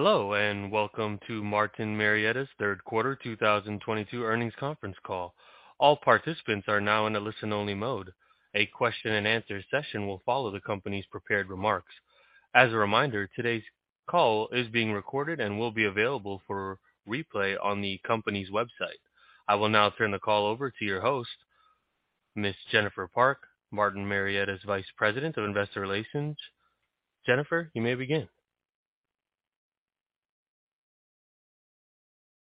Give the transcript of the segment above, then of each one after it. Hello, and welcome to Martin Marietta's Q3 2022 earnings conference call. All participants are now in a listen-only mode. A question-and-answer session will follow the company's prepared remarks. As a reminder, today's call is being recorded and will be available for replay on the company's website. I will now turn the call over to your host, Ms. Jennifer Park, Martin Marietta's Vice President of Investor Relations. Jennifer, you may begin.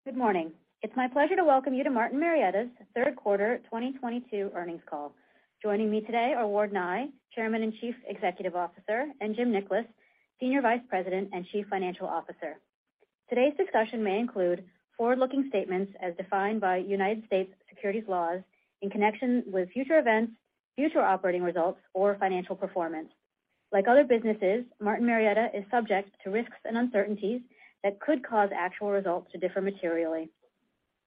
Good morning. It's my pleasure to welcome you to Martin Marietta's Q3 2022 earnings call. Joining me today are Ward Nye, Chairman and Chief Executive Officer, and Jim Nickolas, Senior Vice President and Chief Financial Officer. Today's discussion may include forward-looking statements as defined by United States securities laws in connection with future events, future operating results or financial performance. Like other businesses, Martin Marietta is subject to risks and uncertainties that could cause actual results to differ materially.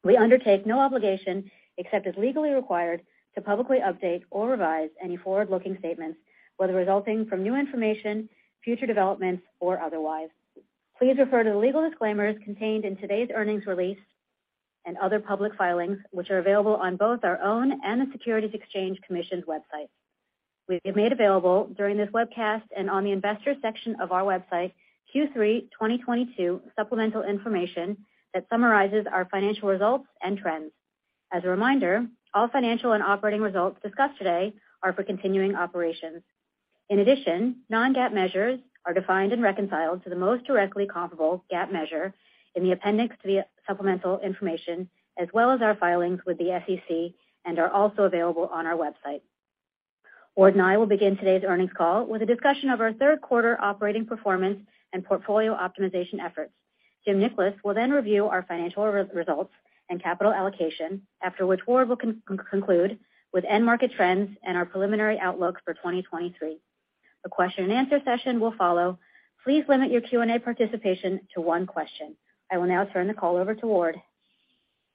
We undertake no obligation, except as legally required, to publicly update or revise any forward-looking statements, whether resulting from new information, future developments or otherwise. Please refer to the legal disclaimers contained in today's earnings release and other public filings, which are available on both our own and the Securities and Exchange Commission's website. We've made available during this webcast and on the investor section of our website Q3 2022 supplemental information that summarizes our financial results and trends. As a reminder, all financial and operating results discussed today are for continuing operations. In addition, non-GAAP measures are defined and reconciled to the most directly comparable GAAP measure in the appendix via supplemental information, as well as our filings with the SEC and are also available on our website. Ward and I will begin today's earnings call with a discussion of our Q3 operating performance and portfolio optimization efforts. Jim Nickolas will then review our financial results and capital allocation. After which, Ward will conclude with end market trends and our preliminary outlook for 2023. A question-and-answer session will follow. Please limit your Q&A participation to one question. I will now turn the call over to Ward.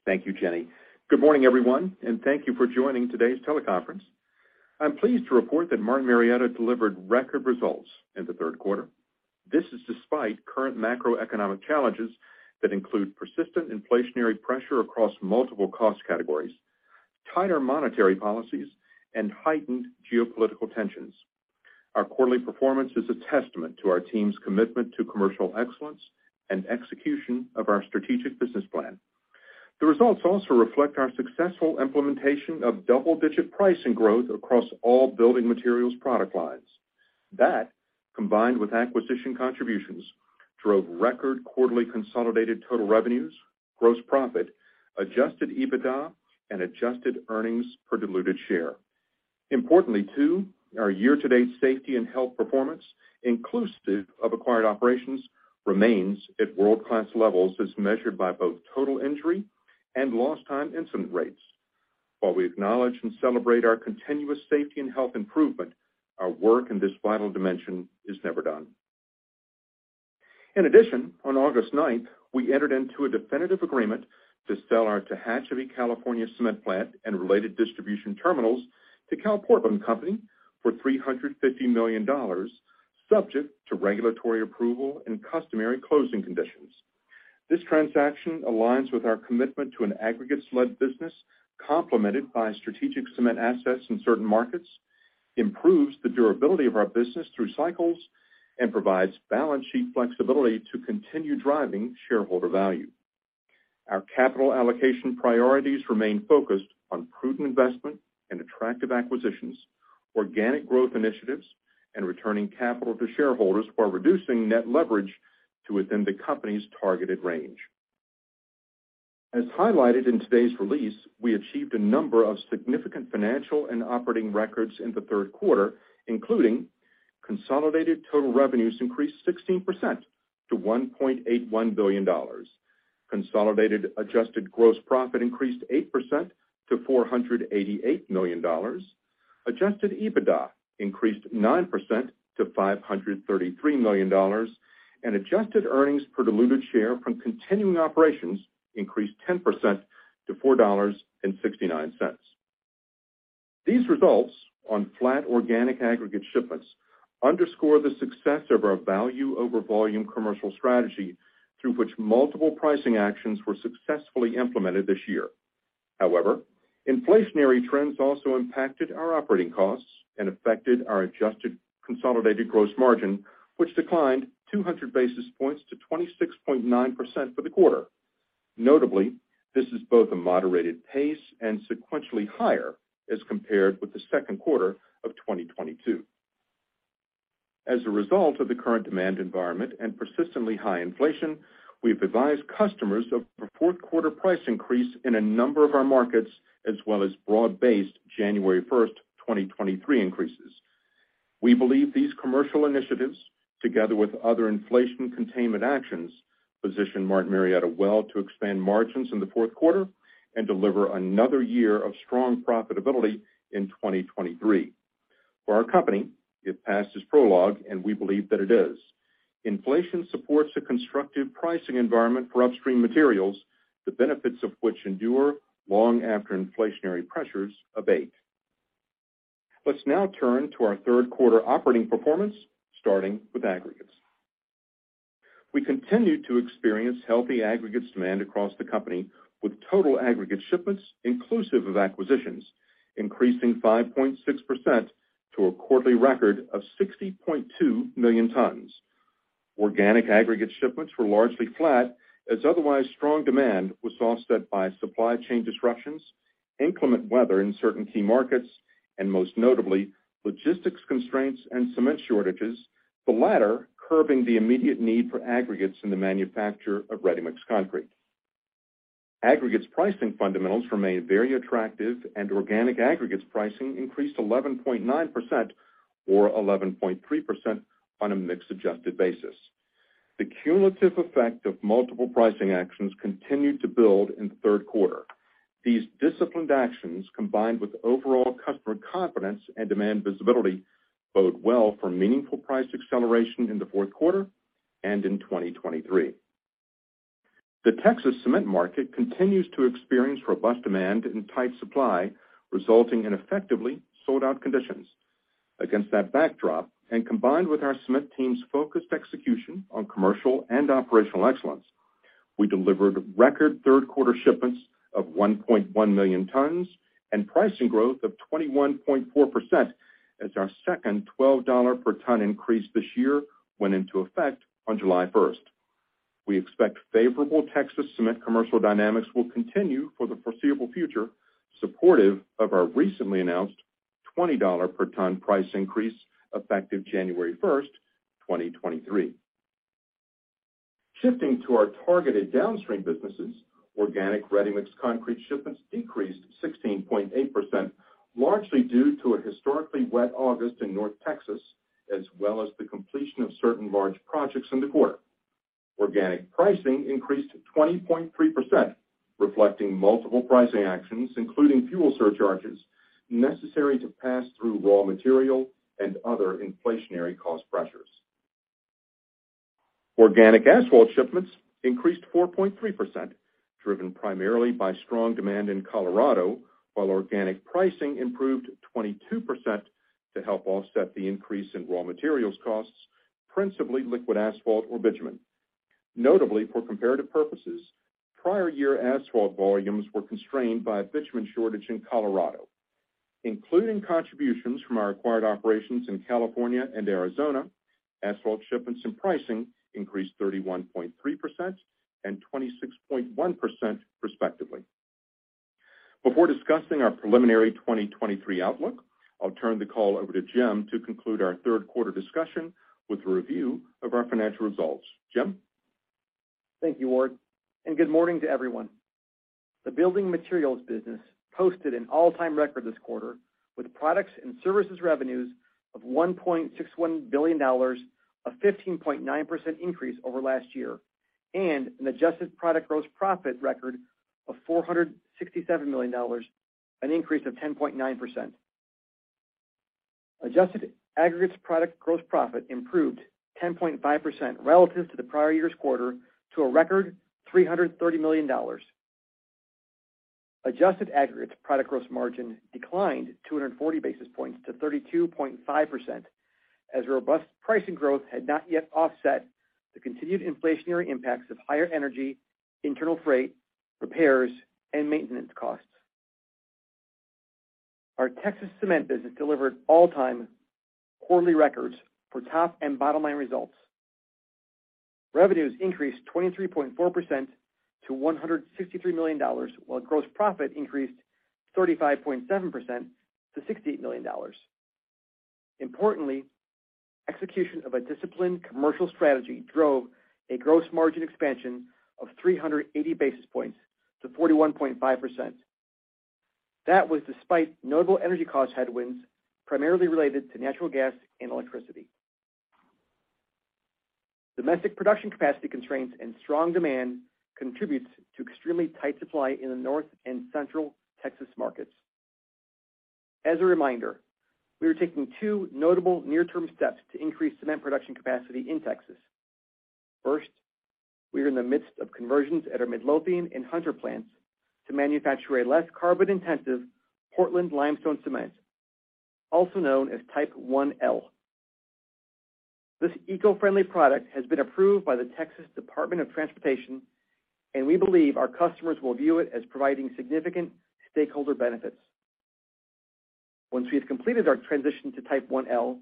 Thank you, Jenny. Good morning, everyone, and thank you for joining today's teleconference. I'm pleased to report that Martin Marietta delivered record results in the Q3. This is despite current macroeconomic challenges that include persistent inflationary pressure across multiple cost categories, tighter monetary policies and heightened geopolitical tensions. Our quarterly performance is a testament to our team's commitment to commercial excellence and execution of our strategic business plan. The results also reflect our successful implementation of double-digit pricing growth across all building materials product lines. That, combined with acquisition contributions, drove record quarterly consolidated total revenues, gross profit, adjusted EBITDA and adjusted earnings per diluted share. Importantly, too, our year-to-date safety and health performance, inclusive of acquired operations, remains at world-class levels as measured by both total injury and lost time incident rates. While we acknowledge and celebrate our continuous safety and health improvement, our work in this vital dimension is never done. In addition, on August 9, we entered into a definitive agreement to sell our Tehachapi, California, cement plant and related distribution terminals to CalPortland Company for $350 million, subject to regulatory approval and customary closing conditions. This transaction aligns with our commitment to an aggregate-led business, complemented by strategic cement assets in certain markets, improves the durability of our business through cycles, and provides balance sheet flexibility to continue driving shareholder value. Our capital allocation priorities remain focused on prudent investment and attractive acquisitions, organic growth initiatives, and returning capital to shareholders while reducing net leverage to within the company's targeted range. As highlighted in today's release, we achieved a number of significant financial and operating records in the Q3, including consolidated total revenues increased 16% to $1.81 billion. Consolidated adjusted gross profit increased 8% to $488 million. Adjusted EBITDA increased 9% to $533 million. Adjusted earnings per diluted share from continuing operations increased 10% to $4.69. These results on flat organic aggregate shipments underscore the success of our value over volume commercial strategy, through which multiple pricing actions were successfully implemented this year. However, inflationary trends also impacted our operating costs and affected our adjusted consolidated gross margin, which declined 200 basis points to 26.9% for the quarter. Notably, this is both a moderated pace and sequentially higher as compared with the Q2 of 2022. As a result of the current demand environment and persistently high inflation, we've advised customers of a Q4 price increase in a number of our markets as well as broad-based January 1st, 2023 increases. We believe these commercial initiatives, together with other inflation containment actions, position Martin Marietta well to expand margins in the Q4 and deliver another year of strong profitability in 2023. For our company, it passes prologue, and we believe that it is. Inflation supports a constructive pricing environment for upstream materials, the benefits of which endure long after inflationary pressures abate. Let's now turn to our Q3 operating performance, starting with aggregates. We continued to experience healthy aggregates demand across the company with total aggregate shipments inclusive of acquisitions, increasing 5.6% to a quarterly record of 60.2 million tons. Organic aggregate shipments were largely flat, as otherwise strong demand was offset by supply chain disruptions, inclement weather in certain key markets, and most notably, logistics constraints and cement shortages, the latter curbing the immediate need for aggregates in the manufacture of ready-mix concrete. Aggregates pricing fundamentals remained very attractive and organic aggregates pricing increased 11.9% or 11.3% on a mix-adjusted basis. The cumulative effect of multiple pricing actions continued to build in the Q3. These disciplined actions, combined with overall customer confidence and demand visibility, bode well for meaningful price acceleration in the Q4 and in 2023. The Texas Cement market continues to experience robust demand and tight supply, resulting in effectively sold-out conditions. Against that backdrop, combined with our cement team's focused execution on commercial and operational excellence, we delivered record Q3 shipments of 1.1 million tons and pricing growth of 21.4% as our second $12 per ton increase this year went into effect on July 1st. We expect favorable Texas Cement commercial dynamics will continue for the foreseeable future, supportive of our recently announced $20 per ton price increase effective January 1st, 2023. Shifting to our targeted downstream businesses, organic ready-mix concrete shipments decreased 16.8%, largely due to a historically wet August in North Texas, as well as the completion of certain large projects in the quarter. Organic pricing increased 20.3%, reflecting multiple pricing actions, including fuel surcharges necessary to pass through raw material and other inflationary cost pressures. Organic asphalt shipments increased 4.3%, driven primarily by strong demand in Colorado, while organic pricing improved 22% to help offset the increase in raw materials costs, principally liquid asphalt or bitumen. Notably, for comparative purposes, prior year asphalt volumes were constrained by a bitumen shortage in Colorado. Including contributions from our acquired operations in California and Arizona, asphalt shipments and pricing increased 31.3% and 26.1% respectively. Before discussing our preliminary 2023 outlook, I'll turn the call over to Jim to conclude our Q3 discussion with a review of our financial results. Jim? Thank you, Ward, and good morning to everyone. The building materials business posted an all-time record this quarter with products and services revenues of $1.61 billion, a 15.9% increase over last year, and an adjusted product gross profit record of $467 million, an increase of 10.9%. Adjusted aggregates product gross profit improved 10.5% relative to the prior year's quarter to a record $330 million. Adjusted aggregates product gross margin declined 240 basis points to 32.5% as robust pricing growth had not yet offset the continued inflationary impacts of higher energy, internal freight, repairs, and maintenance costs. Our Texas Cement business delivered all-time quarterly records for top and bottom-line results. Revenues increased 23.4% to $163 million, while gross profit increased 35.7% to $68 million. Importantly, execution of a disciplined commercial strategy drove a gross margin expansion of 380 basis points to 41.5%. That was despite notable energy cost headwinds primarily related to natural gas and electricity. Domestic production capacity constraints and strong demand contributes to extremely tight supply in the North and Central Texas markets. As a reminder, we are taking two notable near-term steps to increase cement production capacity in Texas. First, we are in the midst of conversions at our Midlothian and Hunter plants to manufacture a less carbon-intensive Portland limestone cement, also known as Type 1L. This eco-friendly product has been approved by the Texas Department of Transportation, and we believe our customers will view it as providing significant stakeholder benefits. Once we have completed our transition to Type 1L,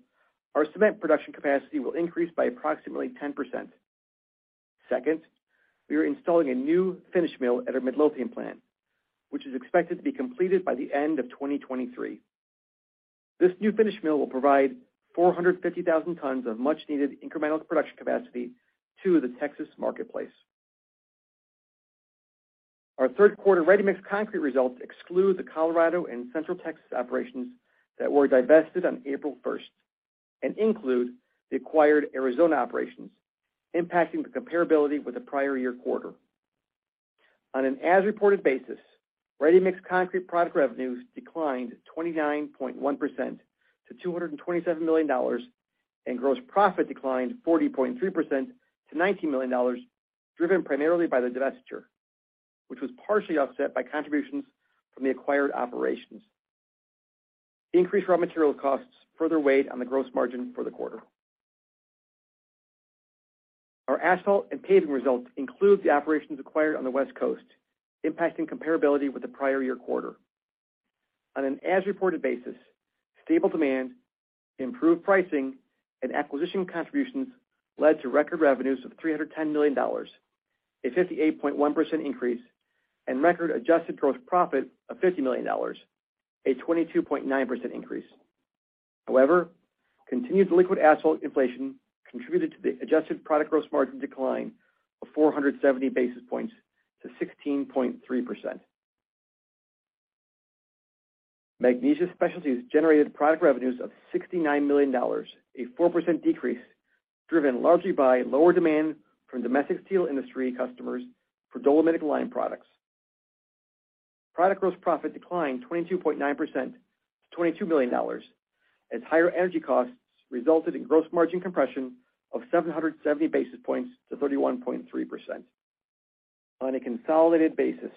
our cement production capacity will increase by approximately 10%. Second, we are installing a new finish mill at our Midlothian plant, which is expected to be completed by the end of 2023. This new finish mill will provide 450,000 tons of much-needed incremental production capacity to the Texas marketplace. Our Q3 ready-mix concrete results exclude the Colorado and Central Texas operations that were divested on April 1st and include the acquired Arizona operations, impacting the comparability with the prior year quarter. On an as-reported basis, ready-mix concrete product revenues declined 29.1% to $227 million and gross profit declined 40.3% to $19 million, driven primarily by the divestiture, which was partially offset by contributions from the acquired operations. The increased raw material costs further weighed on the gross margin for the quarter. Our asphalt and paving results include the operations acquired on the West Coast, impacting comparability with the prior year quarter. On an as-reported basis, stable demand, improved pricing, and acquisition contributions led to record revenues of $310 million, a 58.1% increase, and record adjusted gross profit of $50 million, a 22.9% increase. However, continued liquid asphalt inflation contributed to the adjusted product gross margin decline of 470 basis points to 16.3%. Magnesia Specialties generated product revenues of $69 million, a 4% decrease, driven largely by lower demand from domestic steel industry customers for dolomitic lime products. Product gross profit declined 22.9% to $22 million as higher energy costs resulted in gross margin compression of 770 basis points to 31.3%. On a consolidated basis,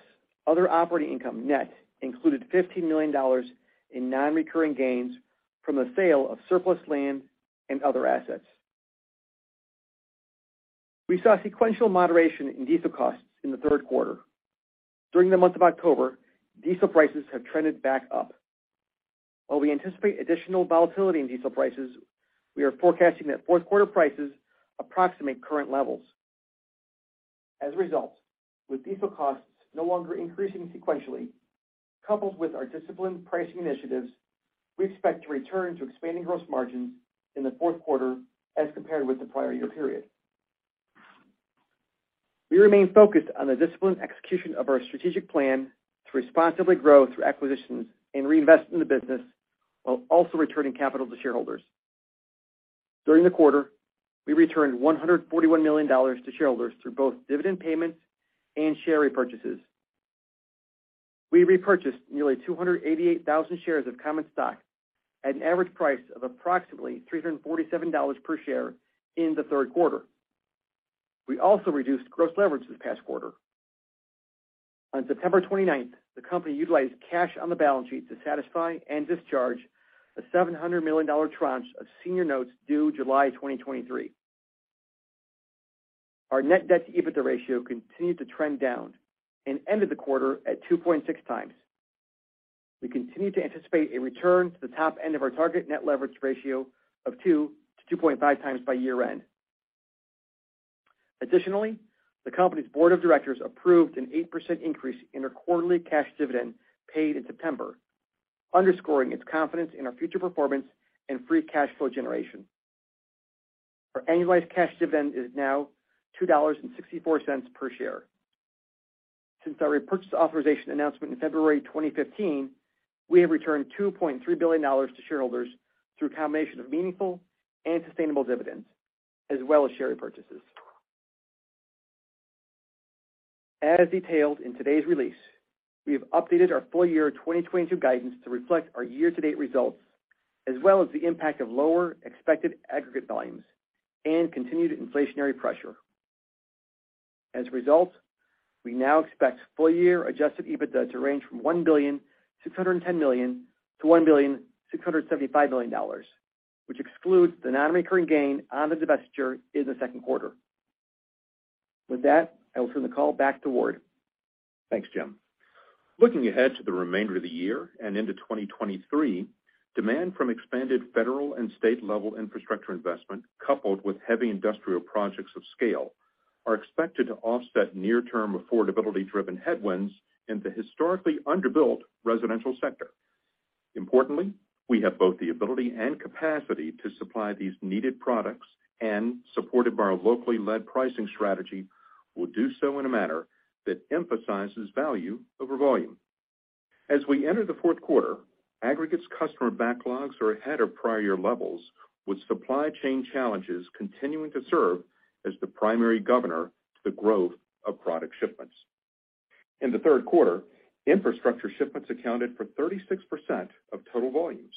other operating income net included $15 million in non-recurring gains from the sale of surplus land and other assets. We saw sequential moderation in diesel costs in the Q3. During the month of October, diesel prices have trended back up. While we anticipate additional volatility in diesel prices, we are forecasting that Q4 prices approximate current levels. As a result, with diesel costs no longer increasing sequentially, coupled with our disciplined pricing initiatives, we expect to return to expanding gross margins in the Q4 as compared with the prior year period. We remain focused on the disciplined execution of our strategic plan to responsibly grow through acquisitions and reinvest in the business while also returning capital to shareholders. During the quarter, we returned $141 million to shareholders through both dividend payments and share repurchases. We repurchased nearly 288,000 shares of common stock at an average price of approximately $347 per share in the Q3. We also reduced gross leverage this past quarter. On September 29, the company utilized cash on the balance sheet to satisfy and discharge a $700 million tranche of senior notes due July 2023. Our net debt-to-EBITDA ratio continued to trend down and ended the quarter at 2.6x. We continue to anticipate a return to the top end of our target net leverage ratio of 2x to 2.5x by year-end. Additionally, the company's board of directors approved an 8% increase in our quarterly cash dividend paid in September, underscoring its confidence in our future performance and free cash flow generation. Our annualized cash dividend is now $2.64 per share. Since our repurchase authorization announcement in February 2015, we have returned $2.3 billion to shareholders through a combination of meaningful and sustainable dividends, as well as share repurchases. As detailed in today's release, we have updated our full year 2022 guidance to reflect our year-to-date results as well as the impact of lower expected aggregate volumes and continued inflationary pressure. As a result, we now expect full year adjusted EBITDA to range from $1.610 billion-$1.675 billion, which excludes the non-recurring gain on the divestiture in the Q2. With that, I will turn the call back to Ward. Thanks, Jim. Looking ahead to the remainder of the year and into 2023, demand from expanded federal and state level infrastructure investment coupled with heavy industrial projects of scale are expected to offset near-term affordability driven headwinds in the historically under-built residential sector. Importantly, we have both the ability and capacity to supply these needed products and supported by our locally led pricing strategy will do so in a manner that emphasizes value over volume. As we enter the Q4, aggregates customer backlogs are ahead of prior year levels, with supply chain challenges continuing to serve as the primary governor to the growth of product shipments. In the Q3, infrastructure shipments accounted for 36% of total volumes.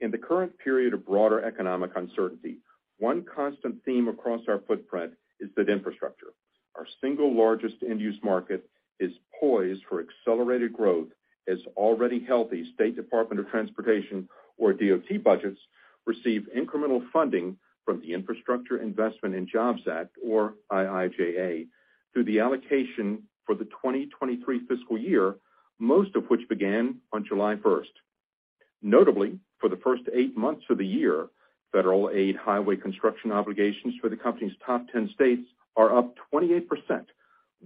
In the current period of broader economic uncertainty, one constant theme across our footprint is that infrastructure. Our single largest end-use market is poised for accelerated growth as already healthy state department of transportation or DOT budgets receive incremental funding from the Infrastructure Investment and Jobs Act, or IIJA, through the allocation for the 2023 fiscal year, most of which began on July 1st. Notably, for the first eight months of the year, federal aid highway construction obligations for the company's top 10 states are up 28%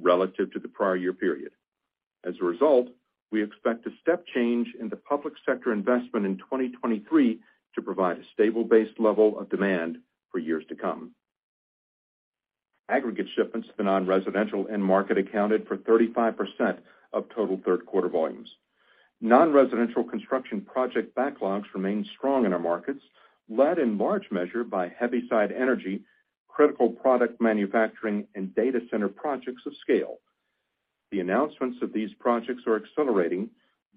relative to the prior year period. As a result, we expect a step change in the public sector investment in 2023 to provide a stable base level of demand for years to come. Aggregate shipments to the non-residential end market accounted for 35% of total Q3 volumes. Non-residential construction project backlogs remain strong in our markets, led in large measure by heavy side energy, critical product manufacturing, and data center projects of scale. The announcements of these projects are accelerating.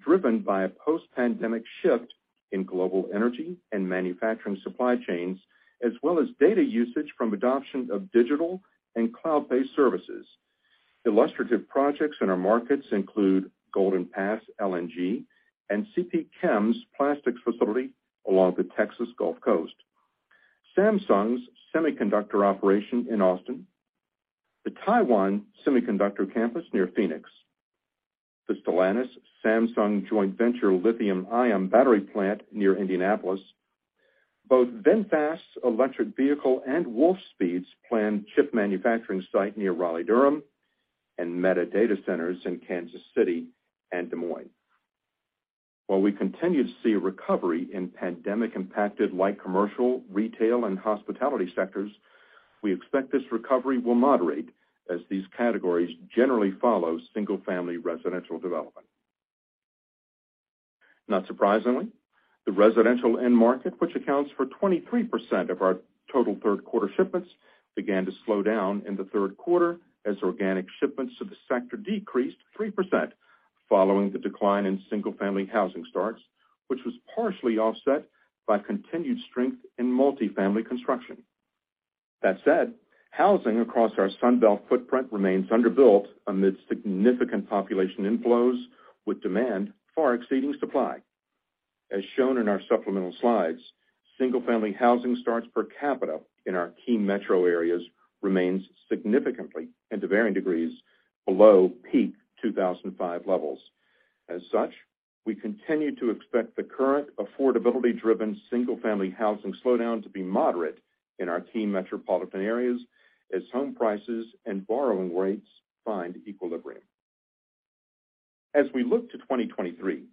Driven by a post-pandemic shift in global energy and manufacturing supply chains, as well as data usage from adoption of digital and cloud-based services. Illustrative projects in our markets include Golden Pass LNG and CPChem's plastics facility along the Texas Gulf Coast, Samsung's semiconductor operation in Austin, the Taiwan Semiconductor campus near Phoenix, the Stellantis Samsung joint venture lithium-ion battery plant near Indianapolis, both VinFast electric vehicle and Wolfspeed's planned chip manufacturing site near Raleigh-Durham, and Meta data centers in Kansas City and Des Moines. While we continue to see a recovery in pandemic-impacted light commercial, retail, and hospitality sectors, we expect this recovery will moderate as these categories generally follow single-family residential development. Not surprisingly, the residential end market, which accounts for 23% of our total Q3 shipments, began to slow down in the Q3 as organic shipments to the sector decreased 3% following the decline in single-family housing starts, which was partially offset by continued strength in multifamily construction. That said, housing across our Sun Belt footprint remains underbuilt amid significant population inflows with demand far exceeding supply. As shown in our supplemental slides, single-family housing starts per capita in our key metro areas remains significantly, and to varying degrees, below peak 2005 levels. As such, we continue to expect the current affordability-driven single-family housing slowdown to be moderate in our key metropolitan areas as home prices and borrowing rates find equilibrium. As we look to 2023,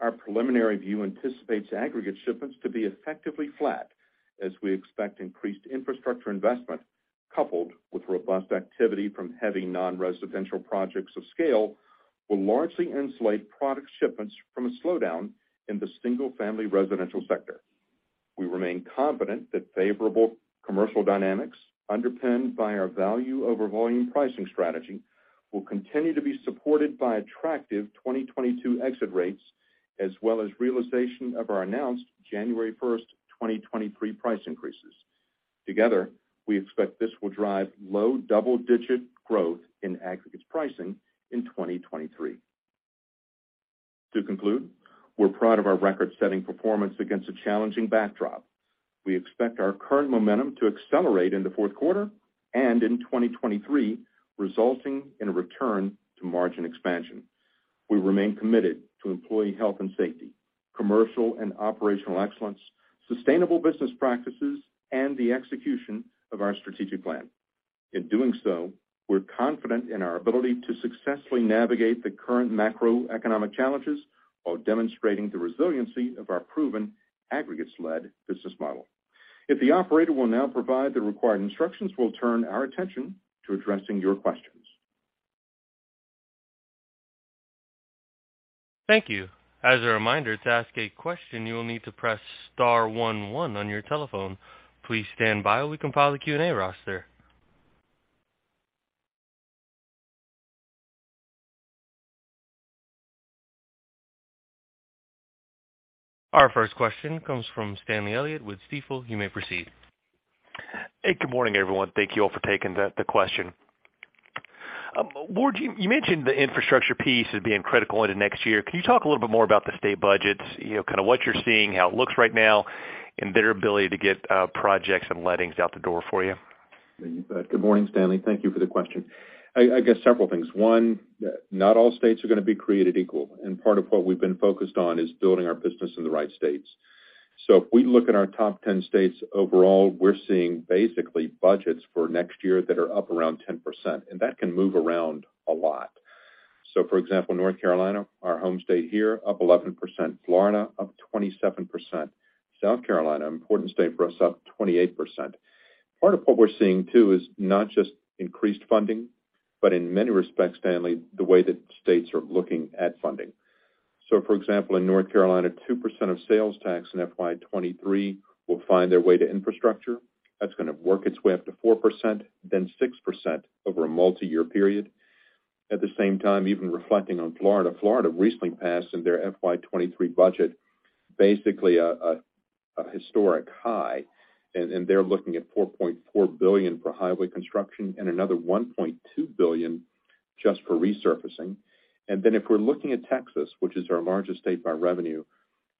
our preliminary view anticipates aggregate shipments to be effectively flat as we expect increased infrastructure investment, coupled with robust activity from heavy non-residential projects of scale, will largely insulate product shipments from a slowdown in the single family residential sector. We remain confident that favorable commercial dynamics, underpinned by our value over volume pricing strategy, will continue to be supported by attractive 2022 exit rates as well as realization of our announced January 1st, 2023 price increases. Together, we expect this will drive low double-digit growth in aggregates pricing in 2023. To conclude, we're proud of our record-setting performance against a challenging backdrop. We expect our current momentum to accelerate in the Q4 and in 2023, resulting in a return to margin expansion. We remain committed to employee health and safety, commercial and operational excellence, sustainable business practices, and the execution of our strategic plan. In doing so, we're confident in our ability to successfully navigate the current macroeconomic challenges while demonstrating the resiliency of our proven aggregates led business model. If the operator will now provide the required instructions, we'll turn our attention to addressing your questions. Thank you. As a reminder, to ask a question, you will need to press star one one on your telephone. Please stand by while we compile the Q&A roster. Our first question comes from Stanley Elliott with Stifel. You may proceed. Hey, good morning, everyone. Thank you all for taking the question. Ward Nye, you mentioned the infrastructure piece as being critical into next year. Can you talk a little bit more about the state budgets? You know, kinda what you're seeing, how it looks right now, and their ability to get projects and lettings out the door for you. Good morning, Stanley. Thank you for the question. I guess several things. One, not all states are gonna be created equal, and part of what we've been focused on is building our business in the right states. If we look at our top 10 states overall, we're seeing basically budgets for next year that are up around 10%, and that can move around a lot. For example, North Carolina, our home state here, up 11%. Florida, up 27%. South Carolina, important state for us, up 28%. Part of what we're seeing too is not just increased funding, but in many respects, Stanley, the way that states are looking at funding. For example, in North Carolina, 2% of sales tax in FY 2023 will find their way to infrastructure. That's gonna work its way up to 4%, then 6% over a multiyear period. At the same time, even reflecting on Florida recently passed in their FY 2023 budget, basically a historic high. They're looking at $4.4 billion for highway construction and another $1.2 billion just for resurfacing. If we're looking at Texas, which is our largest state by revenue,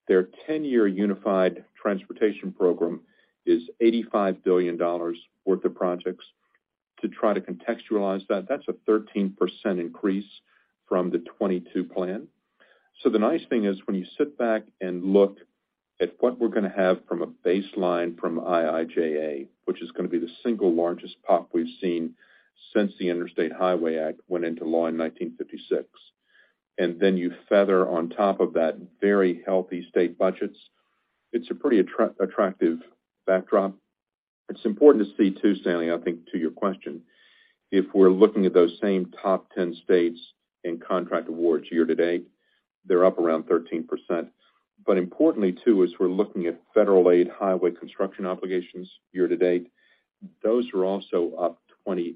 their 10-year unified transportation program is $85 billion worth of projects. To try to contextualize that's a 13% increase from the 2022 plan. The nice thing is when you sit back and look at what we're gonna have from a baseline from IIJA, which is gonna be the single largest pop we've seen since the Interstate Highway Act went into law in 1956. You layer on top of that very healthy state budgets, it's a pretty attractive backdrop. It's important to see too, Stanley, I think to your question, if we're looking at those same top 10 states in contract awards year to date, they're up around 13%. Importantly too, as we're looking at federal aid highway construction obligations year to date, those are also up 28%.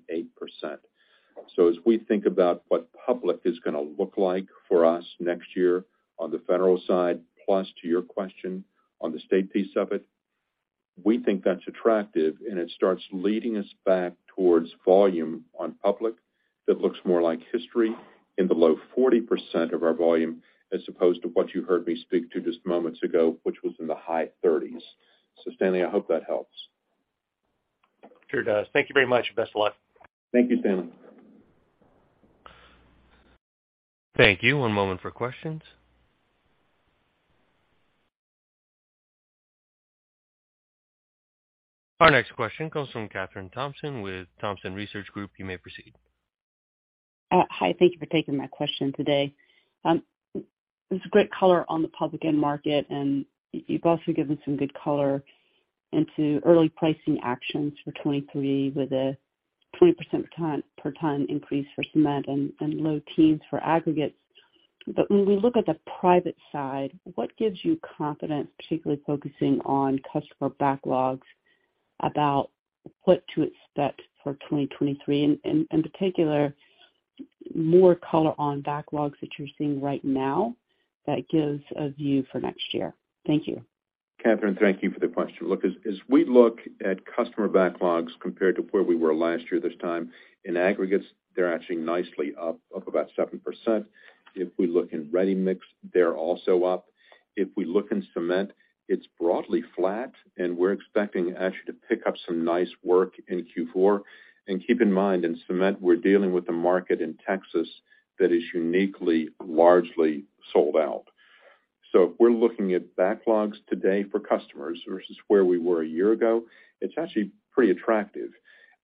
As we think about what public is gonna look like for us next year on the federal side, plus to your question on the state piece of it, we think that's attractive, and it starts leading us back towards volume on public that looks more like history in the low 40% of our volume, as opposed to what you heard me speak to just moments ago, which was in the high 30s. Stanley, I hope that helps. Sure does. Thank you very much. Best of luck. Thank you, Stan. Thank you. One moment for questions. Our next question comes from Kathryn Thompson with Thompson Research Group. You may proceed. Hi, thank you for taking my question today. It's a great color on the public end market, and you've also given some good color into early pricing actions for 2023 with a 20% per ton increase for cement and low teens for aggregates. When we look at the private side, what gives you confidence, particularly focusing on customer backlogs about what to expect for 2023, and in particular, more color on backlogs that you're seeing right now that gives a view for next year? Thank you. Kathryn, thank you for the question. Look, as we look at customer backlogs compared to where we were last year this time, in aggregates, they're actually nicely up about 7%. If we look in ready-mix, they're also up. If we look in cement, it's broadly flat, and we're expecting actually to pick up some nice work in Q4. Keep in mind, in cement, we're dealing with a market in Texas that is uniquely, largely sold out. If we're looking at backlogs today for customers versus where we were a year ago, it's actually pretty attractive.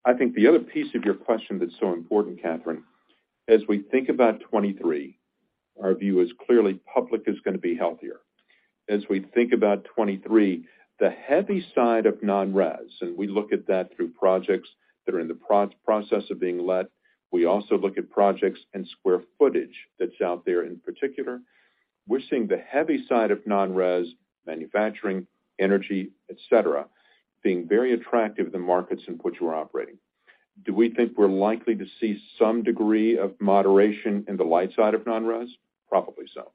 I think the other piece of your question that's so important, Kathryn, as we think about 2023, our view is clearly public is gonna be healthier. As we think about 2023, the heavy side of non-res, and we look at that through projects that are in the process of being let. We also look at projects and square footage that's out there in particular. We're seeing the heavy side of non-res, manufacturing, energy, et cetera, being very attractive, the markets in which we're operating. Do we think we're likely to see some degree of moderation in the light side of non-res? Probably so.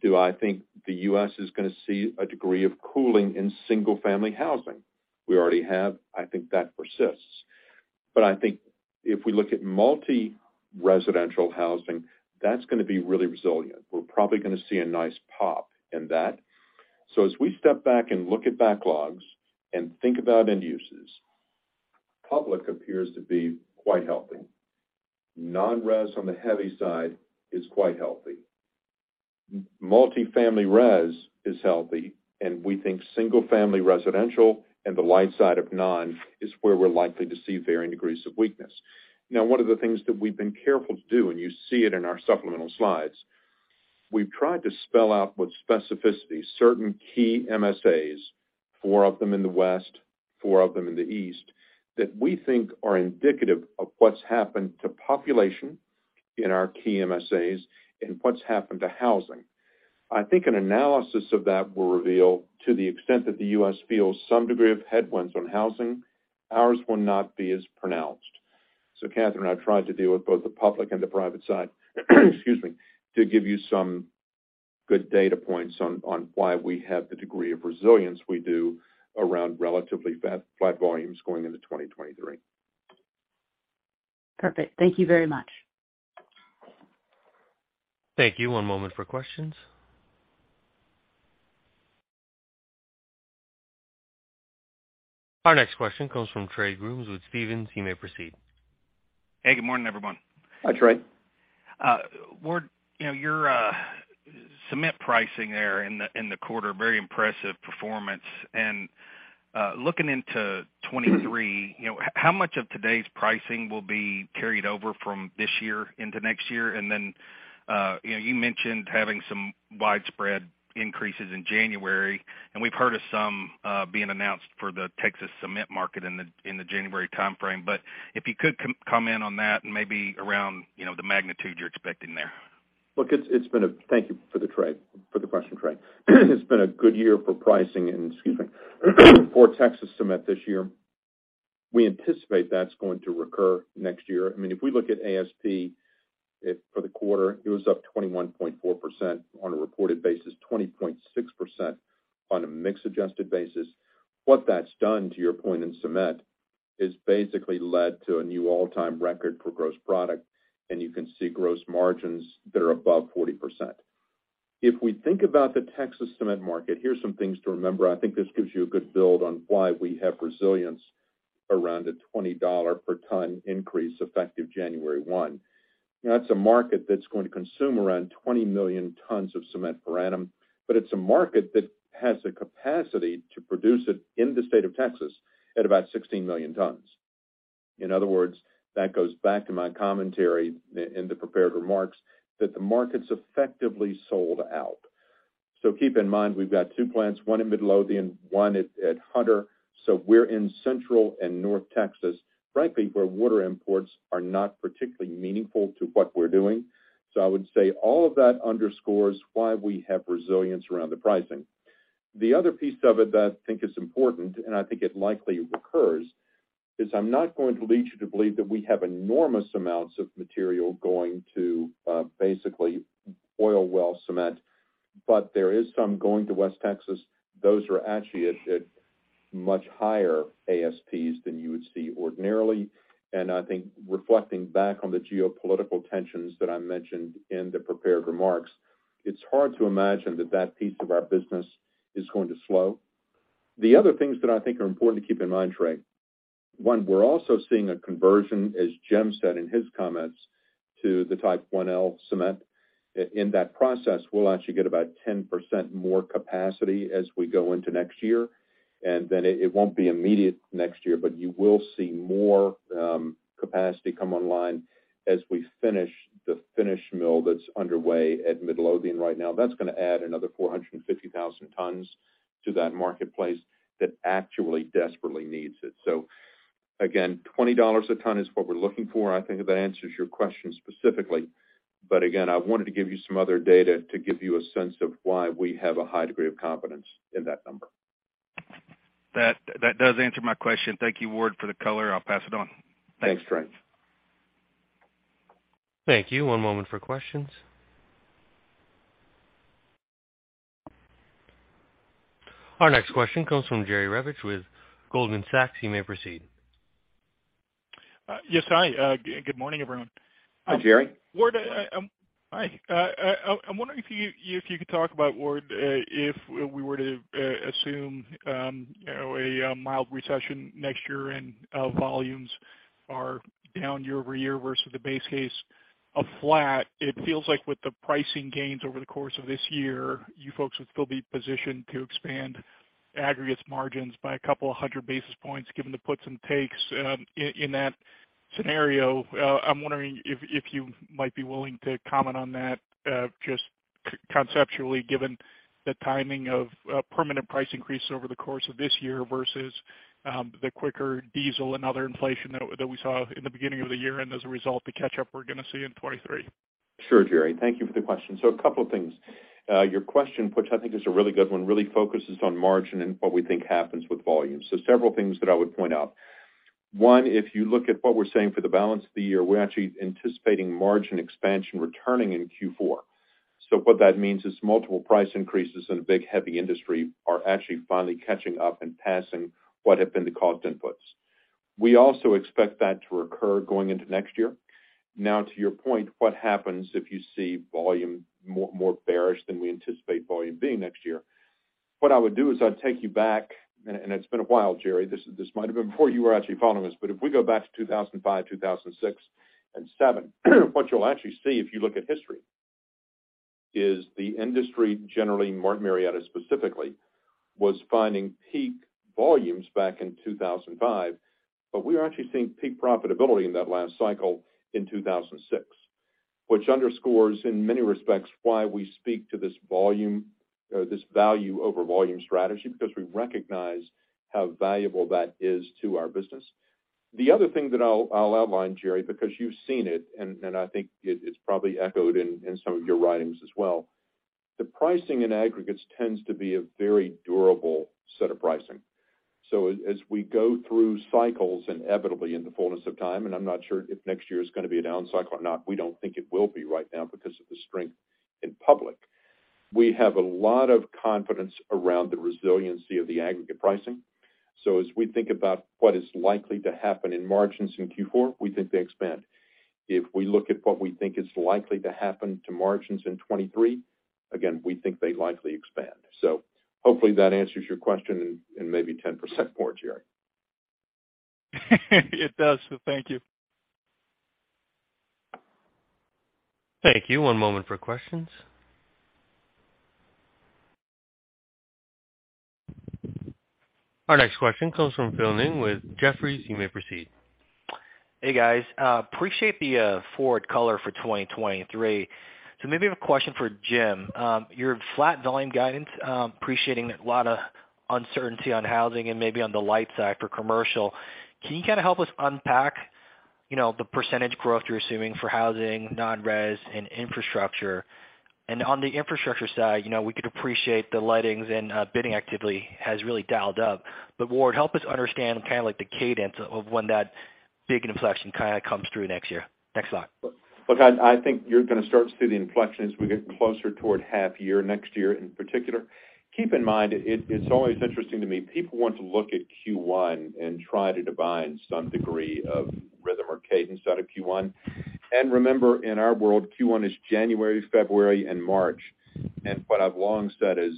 Do I think the U.S. is gonna see a degree of cooling in single-family housing? We already have. I think that persists. I think if we look at multi-residential housing, that's gonna be really resilient. We're probably gonna see a nice pop in that. As we step back and look at backlogs and think about end uses, public appears to be quite healthy. Non-res on the heavy side is quite healthy. Multifamily res is healthy, and we think single-family residential and the light side of non is where we're likely to see varying degrees of weakness. Now, one of the things that we've been careful to do, and you see it in our supplemental slides, we've tried to spell out with specificity certain key MSAs, four of them in the West, four of them in the East, that we think are indicative of what's happened to population in our key MSAs and what's happened to housing. I think an analysis of that will reveal, to the extent that the U.S. feels some degree of headwinds on housing, ours will not be as pronounced. Kathryn, I've tried to deal with both the public and the private side, excuse me, to give you some good data points on why we have the degree of resilience we do around relatively flat volumes going into 2023. Perfect. Thank you very much. Thank you. One moment for questions. Our next question comes from Trey Grooms with Stephens. You may proceed. Hey, good morning, everyone. Hi, Trey. Ward, you know, your cement pricing there in the quarter, very impressive performance. Looking into 2023, you know, how much of today's pricing will be carried over from this year into next year? Then you know, you mentioned having some widespread increases in January, and we've heard of some being announced for the Texas cement market in the January timeframe. If you could comment on that and maybe around, you know, the magnitude you're expecting there. Look, it's been a thank you for the Trey, for the question, Trey. It's been a good year for pricing and, excuse me, for Texas cement this year. We anticipate that's going to recur next year. I mean, if we look at ASP, for the quarter, it was up 21.4% on a reported basis, 20.6% on a mix adjusted basis. What that's done, to your point in cement, is basically led to a new all-time record for gross profit, and you can see gross margins that are above 40%. If we think about the Texas cement market, here's some things to remember. I think this gives you a good build on why we have resilience around a $20 per ton increase effective January 1. That's a market that's going to consume around 20 million tons of cement per annum, but it's a market that has the capacity to produce it in the state of Texas at about 16 million tons. In other words, that goes back to my commentary in the prepared remarks that the market's effectively sold out. Keep in mind, we've got two plants, one in Midlothian, one at Hunter. We're in Central and North Texas, frankly, where water imports are not particularly meaningful to what we're doing. I would say all of that underscores why we have resilience around the pricing. The other piece of it that I think is important, and I think it likely recurs, is I'm not going to lead you to believe that we have enormous amounts of material going to basically oil well cement, but there is some going to West Texas. Those are actually at much higher ASPs than you would see ordinarily. I think reflecting back on the geopolitical tensions that I mentioned in the prepared remarks, it's hard to imagine that that piece of our business is going to slow. The other things that I think are important to keep in mind, Trey, one, we're also seeing a conversion, as Jim said in his comments, to the Type 1L cement. In that process, we'll actually get about 10% more capacity as we go into next year. Then it won't be immediate next year, but you will see more capacity come online as we finish the finish mill that's underway at Midlothian right now. That's gonna add another 450,000 tons to that marketplace that actually desperately needs it. Again, $20 a ton is what we're looking for. I think that answers your question specifically. Again, I wanted to give you some other data to give you a sense of why we have a high degree of confidence in that number. That does answer my question. Thank you, Ward, for the color. I'll pass it on. Thanks, Trey. Thank you. One moment for questions. Our next question comes from Jerry Revich with Goldman Sachs. You may proceed. Yes, hi. Good morning, everyone. Hi, Jerry. Ward, hi. I'm wondering if you could talk about, Ward, if we were to assume, you know, a mild recession next year and volumes are down year-over-year versus the base case of flat. It feels like with the pricing gains over the course of this year, you folks would still be positioned to expand aggregates margins by a couple of hundred basis points given the puts and takes. In that scenario, I'm wondering if you might be willing to comment on that, just conceptually, given the timing of a permanent price increase over the course of this year versus the quicker diesel and other inflation that we saw in the beginning of the year, and as a result, the catch-up we're gonna see in 2023. Sure, Jerry. Thank you for the question. A couple of things. Your question, which I think is a really good one, really focuses on margin and what we think happens with volume. Several things that I would point out. One, if you look at what we're saying for the balance of the year, we're actually anticipating margin expansion returning in Q4. What that means is multiple price increases in a big, heavy industry are actually finally catching up and passing what have been the cost inputs. We also expect that to occur going into next year. Now to your point, what happens if you see volume more bearish than we anticipate volume being next year? What I would do is I'd take you back, and it's been a while, Jerry. This might have been before you were actually following us. If we go back to 2005, 2006, and 2007, what you'll actually see if you look at history is the industry, generally Martin Marietta specifically, was finding peak volumes back in 2005. We're actually seeing peak profitability in that last cycle in 2006, which underscores in many respects why we speak to this volume, or this value over volume strategy, because we recognize how valuable that is to our business. The other thing that I'll outline, Jerry, because you've seen it, and I think it's probably echoed in some of your writings as well. The pricing in aggregates tends to be a very durable set of pricing. As we go through cycles inevitably in the fullness of time, and I'm not sure if next year is gonna be a down cycle or not, we don't think it will be right now because of the strength in public. We have a lot of confidence around the resiliency of the aggregate pricing. As we think about what is likely to happen in margins in Q4, we think they expand. If we look at what we think is likely to happen to margins in 2023, again, we think they likely expand. Hopefully that answers your question in maybe 10% more, Jerry. It does. Thank you. Thank you. One moment for questions. Our next question comes from Philip Ng with Jefferies. You may proceed. Hey, guys. Appreciate the forward color for 2023. Maybe have a question for Jim. Your flat volume guidance, anticipating a lot of uncertainty on housing and maybe on the light side for commercial. Can you kind of help us unpack, you know, the percentage growth you're assuming for housing, non-res, and infrastructure? On the infrastructure side, you know, we can appreciate the lettings and bidding activity has really dialed up. Ward, help us understand kind of like the cadence of when that big inflection kind of comes through next year. Next slide. Look, I think you're gonna start to see the inflection as we get closer toward half year next year in particular. Keep in mind, it's always interesting to me, people want to look at Q1 and try to divine some degree of rhythm or cadence out of Q1. Remember, in our world, Q1 is January, February, and March. What I've long said is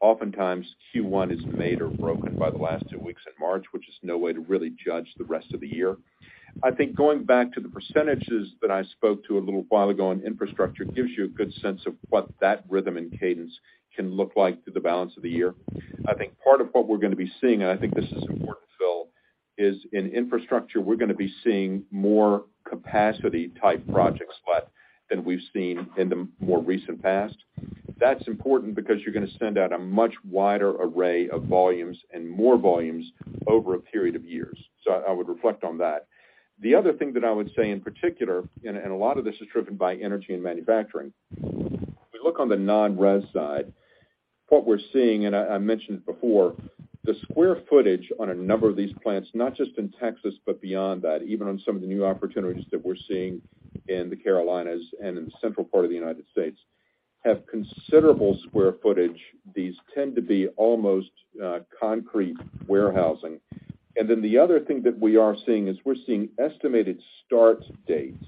oftentimes Q1 is made or broken by the last two weeks in March, which is no way to really judge the rest of the year. I think going back to the percentages that I spoke to a little while ago on infrastructure gives you a good sense of what that rhythm and cadence can look like through the balance of the year. I think part of what we're gonna be seeing, and I think this is important, Phil, is in infrastructure, we're gonna be seeing more capacity type projects than we've seen in the more recent past. That's important because you're gonna send out a much wider array of volumes and more volumes over a period of years. I would reflect on that. The other thing that I would say in particular, and a lot of this is driven by energy and manufacturing. If we look on the non-res side, what we're seeing, and I mentioned it before, the square footage on a number of these plants, not just in Texas but beyond that, even on some of the new opportunities that we're seeing in the Carolinas and in the central part of the United States, have considerable square footage. These tend to be almost, concrete warehousing. The other thing that we are seeing is we're seeing estimated start dates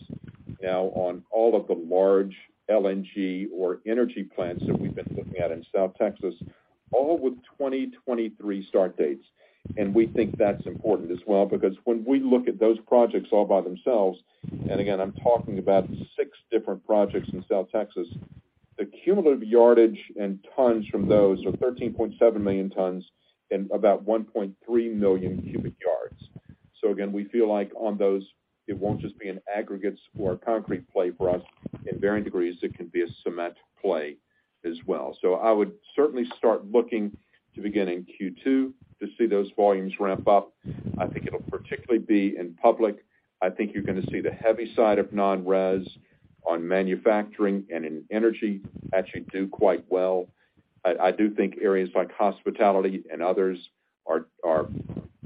now on all of the large LNG or energy plants that we've been looking at in South Texas, all with 2023 start dates. We think that's important as well because when we look at those projects all by themselves, and again, I'm talking about six different projects in South Texas, the cumulative yardage and tons from those are 13.7 million tons and about 1.3 million cubic yards. Again, we feel like on those, it won't just be an aggregates or concrete play for us. In varying degrees, it can be a cement play as well. I would certainly start looking to beginning Q2 to see those volumes ramp up. I think it'll particularly be in public. I think you're gonna see the heavy side of non-res on manufacturing and in energy actually do quite well. I do think areas like hospitality and others are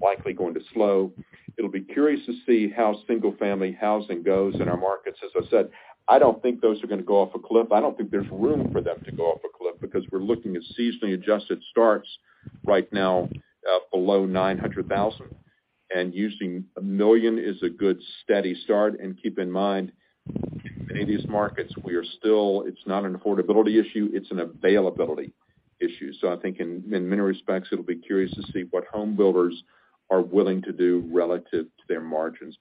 likely going to slow. It'll be curious to see how single family housing goes in our markets. As I said, I don't think those are gonna go off a cliff. I don't think there's room for them to go off a cliff because we're looking at seasonally adjusted starts right now, below 900,000. Using 1 million is a good, steady start. Keep in mind, in many of these markets, we are still. It's not an affordability issue, it's an availability issue. I think in many respects, it'll be curious to see what home builders are willing to do relative to their margins.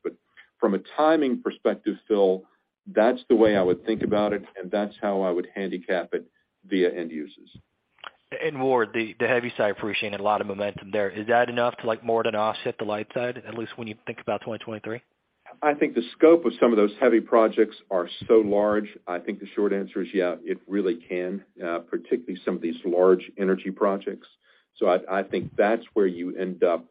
From a timing perspective, Phil, that's the way I would think about it, and that's how I would handicap it via end users. Ward, the heavy side appreciating a lot of momentum there. Is that enough to like more than offset the light side, at least when you think about 2023? I think the scope of some of those heavy projects are so large. I think the short answer is yeah, it really can, particularly some of these large energy projects. I think that's where you end up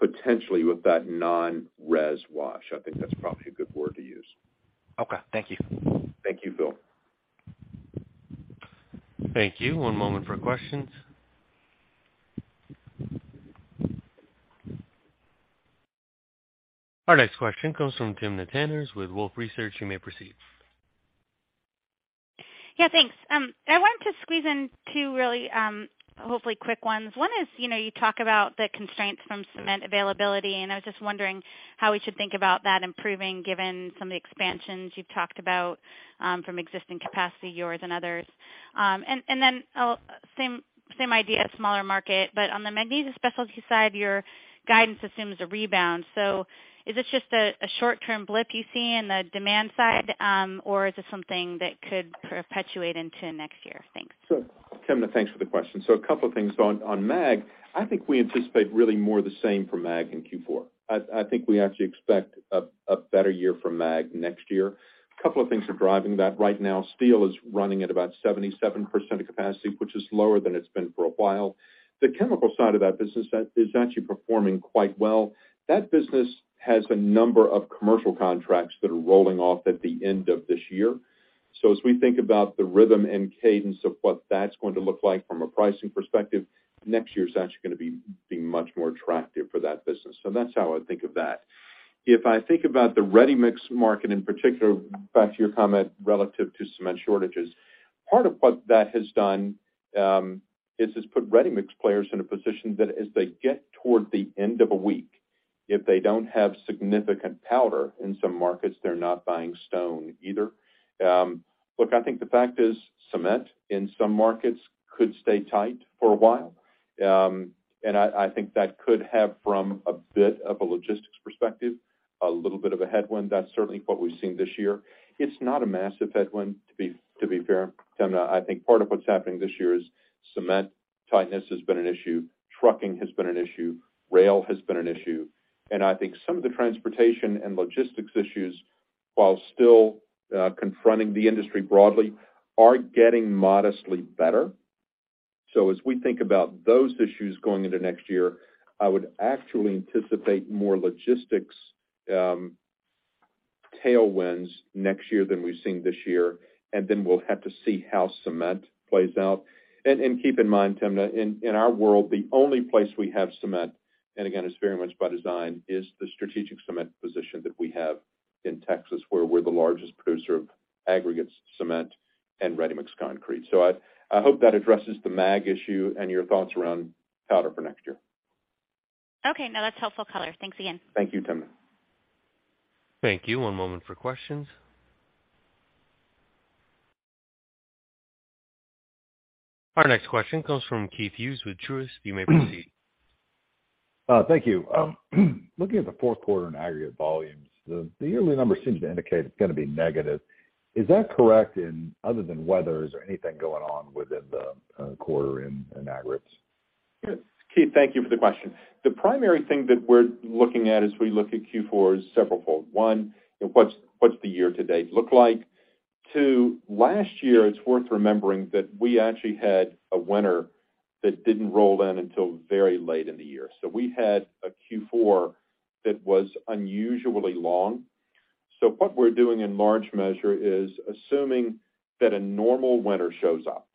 potentially with that non-res wash. I think that's probably a good word to use. Okay. Thank you. Thank you, Phil. Thank you. One moment for questions. Our next question comes from Timna Tanners with Wolfe Research. You may proceed. Yeah, thanks. I wanted to squeeze in two really, hopefully quick ones. One is, you know, you talk about the constraints from cement availability, and I was just wondering how we should think about that improving given some of the expansions you've talked about, from existing capacity, yours and others. And then the same idea, smaller market, but on the Magnesia Specialties side, your guidance assumes a rebound. Is this just a short-term blip you see in the demand side, or is this something that could perpetuate into next year? Thanks. Sure. Timna, thanks for the question. A couple things. On mag, I think we anticipate really more the same from mag in Q4. I think we actually expect a better year from mag next year. A couple of things are driving that right now. Steel is running at about 77% of capacity, which is lower than it's been for a while. The chemical side of that business is actually performing quite well. That business has a number of commercial contracts that are rolling off at the end of this year. As we think about the rhythm and cadence of what that's going to look like from a pricing perspective, next year's actually gonna be much more attractive for that business. That's how I think of that. If I think about the ready-mix market in particular, back to your comment relative to cement shortages, part of what that has done is it's put ready-mix players in a position that as they get toward the end of a week, if they don't have significant powder in some markets, they're not buying stone either. Look, I think the fact is cement in some markets could stay tight for a while. I think that could have from a bit of a logistics perspective, a little bit of a headwind. That's certainly what we've seen this year. It's not a massive headwind, to be fair, Timna. I think part of what's happening this year is cement tightness has been an issue, trucking has been an issue, rail has been an issue. I think some of the transportation and logistics issues, while still confronting the industry broadly, are getting modestly better. As we think about those issues going into next year, I would actually anticipate more logistics tailwinds next year than we've seen this year, and then we'll have to see how cement plays out. Keep in mind, Timna, in our world, the only place we have cement, and again, it's very much by design, is the strategic cement position that we have in Texas, where we're the largest producer of aggregates, cement and ready-mix concrete. I hope that addresses the mag issue and your thoughts around powder for next year. Okay. No, that's helpful color. Thanks again. Thank you, Timna. Thank you. One moment for questions. Our next question comes from Keith Hughes with Truist. You may proceed. Thank you. Looking at the Q4 in aggregate volumes, the yearly number seems to indicate it's gonna be negative. Is that correct? Other than weather, is there anything going on within the quarter in aggregates? Keith, thank you for the question. The primary thing that we're looking at as we look at Q4 is severalfold. One, what's the year to date look like to last year? It's worth remembering that we actually had a winter that didn't roll in until very late in the year. We had a Q4 that was unusually long. What we're doing in large measure is assuming that a normal winter shows up.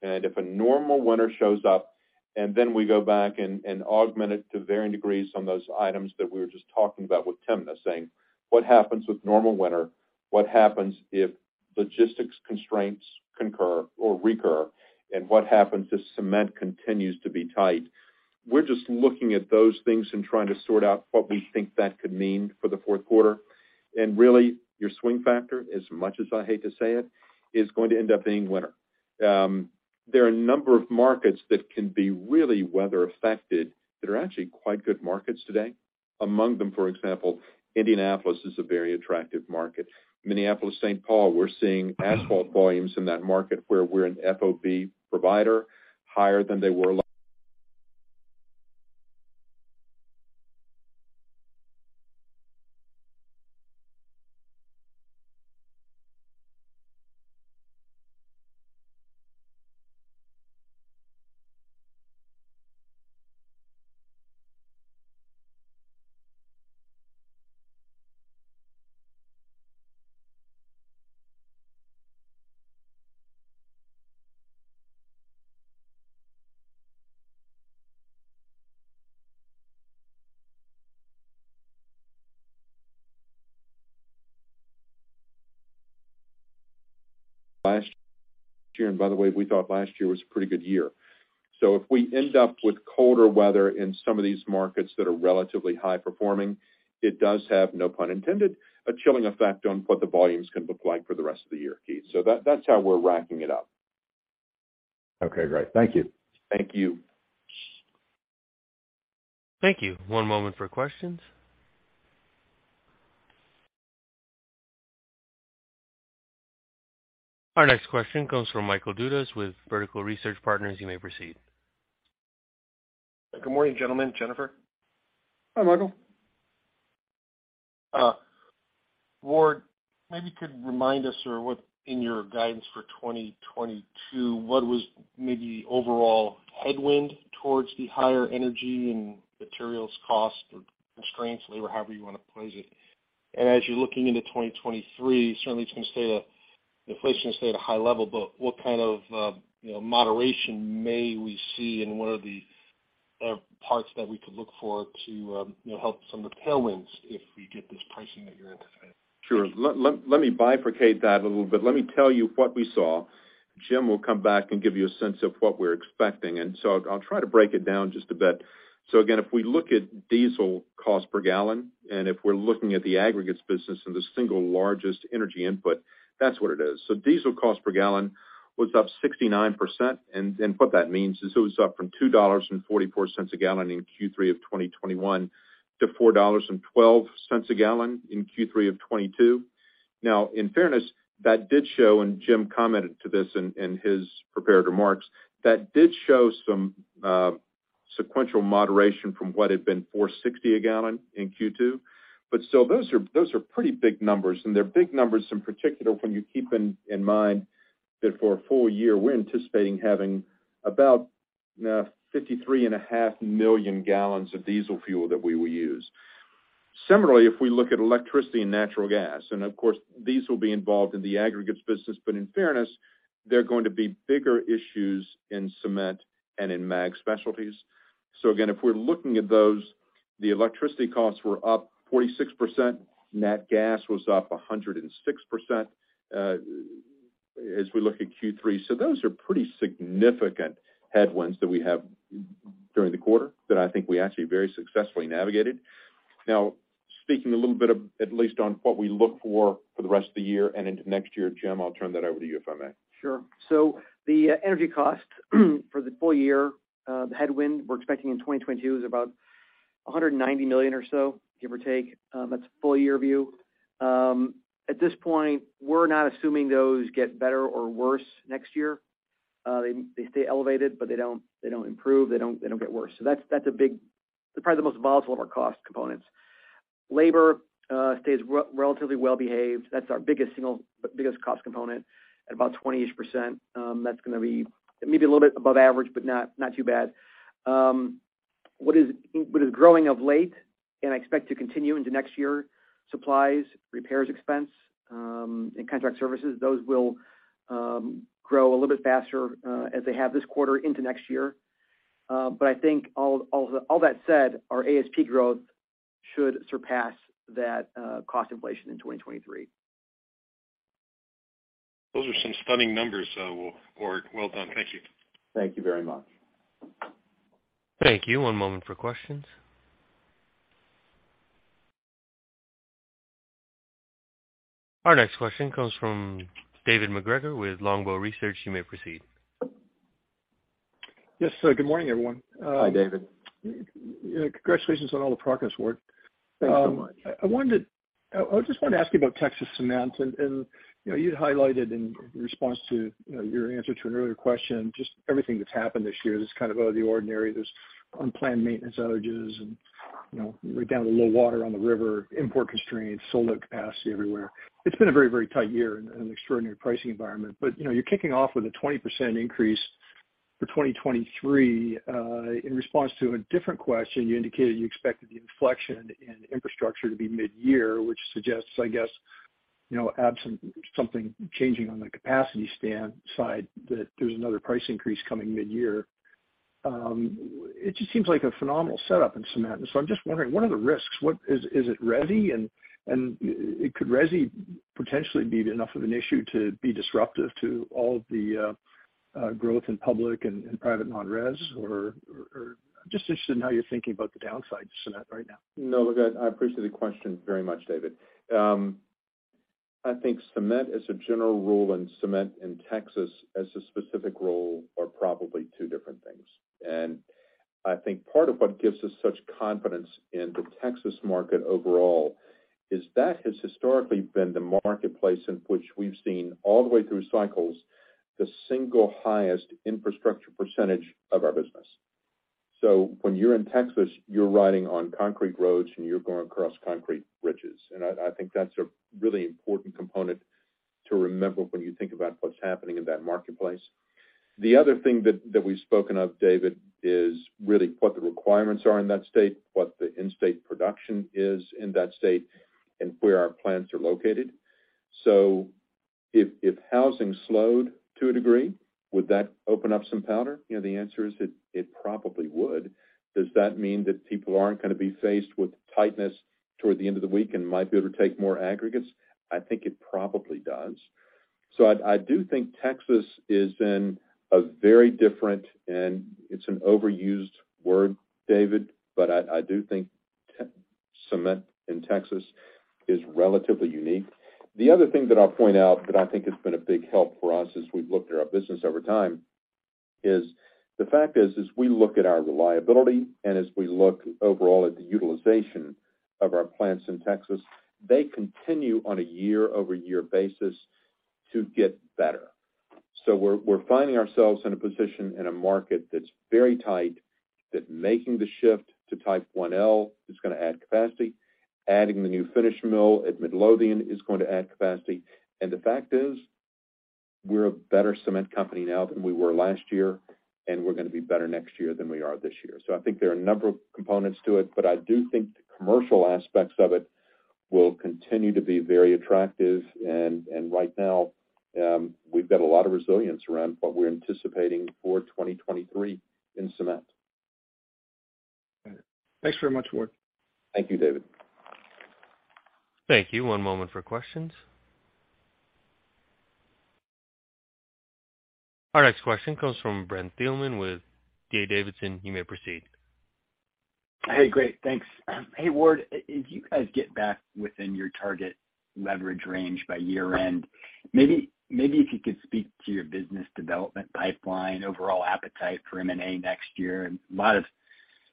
If a normal winter shows up, and then we go back and augment it to varying degrees on those items that we were just talking about with Tim, that's saying, what happens with normal winter? What happens if logistics constraints concur or recur? What happens if cement continues to be tight? We're just looking at those things and trying to sort out what we think that could mean for the Q4. Really, your swing factor, as much as I hate to say it, is going to end up being winter. There are a number of markets that can be really weather affected that are actually quite good markets today. Among them, for example, Indianapolis is a very attractive market. Minneapolis-St. Paul, we're seeing asphalt volumes in that market where we're an FOB provider higher than they were last year. By the way, we thought last year was a pretty good year. If we end up with colder weather in some of these markets that are relatively high performing, it does have, no pun intended, a chilling effect on what the volumes can look like for the rest of the year, Keith. That's how we're racking it up. Okay, great. Thank you. Thank you. Thank you. One moment for questions. Our next question comes from Michael Dudas with Vertical Research Partners. You may proceed. Good morning, gentlemen. Jennifer. Hi, Michael. Ward, maybe you could remind us of what in your guidance for 2022, what was maybe the overall headwind toward the higher energy and materials cost or constraints, labor, however you wanna phrase it. As you're looking into 2023, certainly inflation will stay at a high level, but what kind of, you know, moderation may we see, and what are the parts that we could look for to, you know, help some of the tailwinds if we get this pricing that you're anticipating? Sure. Let me bifurcate that a little bit. Let me tell you what we saw. Jim will come back and give you a sense of what we're expecting. I'll try to break it down just a bit. Again, if we look at diesel cost per gallon, and if we're looking at the aggregates business and the single largest energy input, that's what it is. Diesel cost per gallon was up 69%. What that means is it was up from $2.44 a gallon in Q3 of 2021 to $4.12 a gallon in Q3 of 2022. In fairness, that did show, and Jim commented to this in his prepared remarks, that did show some sequential moderation from what had been $4.60 a gallon in Q2. Still, those are pretty big numbers, and they're big numbers in particular when you keep in mind that for a full year, we're anticipating having about 53.5 million gallons of diesel fuel that we will use. Similarly, if we look at electricity and natural gas, and of course, these will be involved in the aggregates business, but in fairness, they're going to be bigger issues in cement and in Magnesia Specialties. Again, if we're looking at those, the electricity costs were up 46%. Natural gas was up 106% as we look at Q3. Those are pretty significant headwinds that we have during the quarter that I think we actually very successfully navigated. Now, speaking a little bit, at least on what we look for for the rest of the year and into next year, Jim, I'll turn that over to you, if I may. Sure. The energy cost for the full year, the headwind we're expecting in 2022 is about $190 million or so, give or take. That's a full year view. At this point, we're not assuming those get better or worse next year. They stay elevated, but they don't improve, they don't get worse. That's a big, probably the most volatile of our cost components. Labor stays relatively well behaved. That's our biggest cost component at about 20-ish%. That's gonna be maybe a little bit above average, but not too bad. What is growing of late, and I expect to continue into next year, supplies, repairs expense, and contract services. Those will grow a little bit faster, as they have this quarter into next year. I think all that said, our ASP growth should surpass that cost inflation in 2023. Those are some stunning numbers, Ward. Well done. Thank you. Thank you very much. Thank you. One moment for questions. Our next question comes from David MacGregor with Longbow Research. You may proceed. Yes. Good morning, everyone. Hi, David. Congratulations on all the progress, Ward. Thanks so much. I just wanted to ask you about Texas cements. You know, you had highlighted in response to, you know, your answer to an earlier question, just everything that's happened this year is kind of out of the ordinary. There's unplanned maintenance outages and, you know, right down to low water on the river, import constraints, silo capacity everywhere. It's been a very, very tight year and an extraordinary pricing environment. You know, you're kicking off with a 20% increase for 2023. In response to a different question, you indicated you expected the inflection in infrastructure to be mid-year, which suggests, I guess, you know, absent something changing on the capacity standpoint, that there's another price increase coming mid-year. It just seems like a phenomenal setup in cement. I'm just wondering, what are the risks? Is it resi? Could resi potentially be enough of an issue to be disruptive to all the growth in public and private non-res? Just interested in how you're thinking about the downside to cement right now. No, look, I appreciate the question very much, David. I think cement as a general rule and cement in Texas as a specific rule are probably two different things. I think part of what gives us such confidence in the Texas market overall is that has historically been the marketplace in which we've seen, all the way through cycles, the single highest infrastructure percentage of our business. When you're in Texas, you're riding on concrete roads, and you're going across concrete bridges. I think that's a really important component to remember when you think about what's happening in that marketplace. The other thing that we've spoken of, David, is really what the requirements are in that state, what the in-state production is in that state, and where our plants are located. If housing slowed to a degree, would that open up some powder? You know, the answer is it probably would. Does that mean that people aren't gonna be faced with tightness toward the end of the week and might be able to take more aggregates? I think it probably does. I do think Texas is in a very different, and it's an overused word, David, but I do think the cement in Texas is relatively unique. The other thing that I'll point out that I think has been a big help for us as we've looked at our business over time is the fact is, as we look at our reliability and as we look overall at the utilization of our plants in Texas, they continue on a year-over-year basis to get better. We're finding ourselves in a position in a market that's very tight, that making the shift to Type 1L is gonna add capacity. Adding the new finish mill at Midlothian is going to add capacity. The fact is, we're a better cement company now than we were last year, and we're gonna be better next year than we are this year. I think there are a number of components to it, but I do think the commercial aspects of it will continue to be very attractive. Right now, we've got a lot of resilience around what we're anticipating for 2023 in cement. Thanks very much, Ward. Thank you, David. Thank you. One moment for questions. Our next question comes from Brent Thielman with DA Davidson. You may proceed. Hey, great. Thanks. Hey, Ward, if you guys get back within your target leverage range by year-end, maybe if you could speak to your business development pipeline, overall appetite for M&A next year. A lot of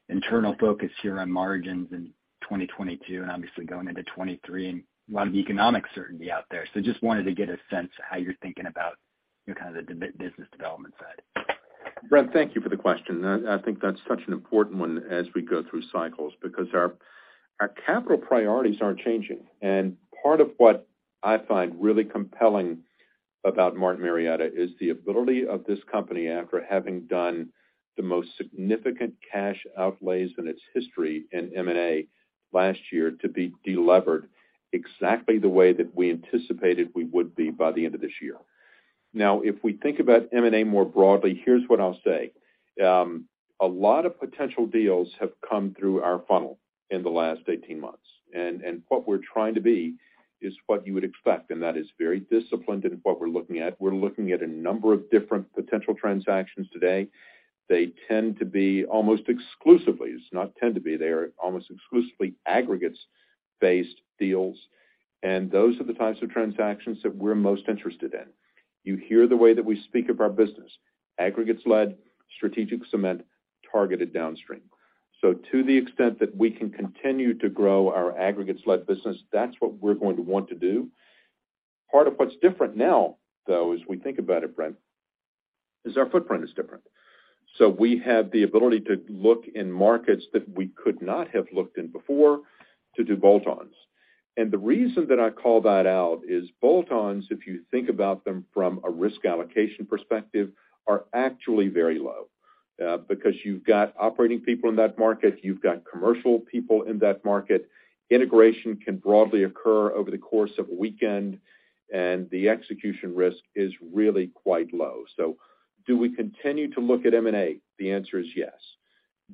internal focus here on margins in 2022 and obviously going into 2023, and a lot of economic certainty out there. Just wanted to get a sense how you're thinking about, you know, kind of the business development side. Brent, thank you for the question. I think that's such an important one as we go through cycles because our capital priorities aren't changing. Part of what I find really compelling about Martin Marietta is the ability of this company, after having done the most significant cash outlays in its history in M&A last year, to be delevered exactly the way that we anticipated we would be by the end of this year. Now, if we think about M&A more broadly, here's what I'll say. A lot of potential deals have come through our funnel in the last 18 months, and what we're trying to be is what you would expect, and that is very disciplined in what we're looking at. We're looking at a number of different potential transactions today. They are almost exclusively aggregates-based deals, and those are the types of transactions that we're most interested in. You hear the way that we speak of our business, aggregates led, strategic cement, targeted downstream. To the extent that we can continue to grow our aggregates-led business, that's what we're going to want to do. Part of what's different now, though, as we think about it, Brent, is our footprint is different. We have the ability to look in markets that we could not have looked in before to do bolt-ons. The reason that I call that out is bolt-ons, if you think about them from a risk allocation perspective, are actually very low, because you've got operating people in that market. You've got commercial people in that market. Integration can broadly occur over the course of a weekend, and the execution risk is really quite low. Do we continue to look at M&A? The answer is yes.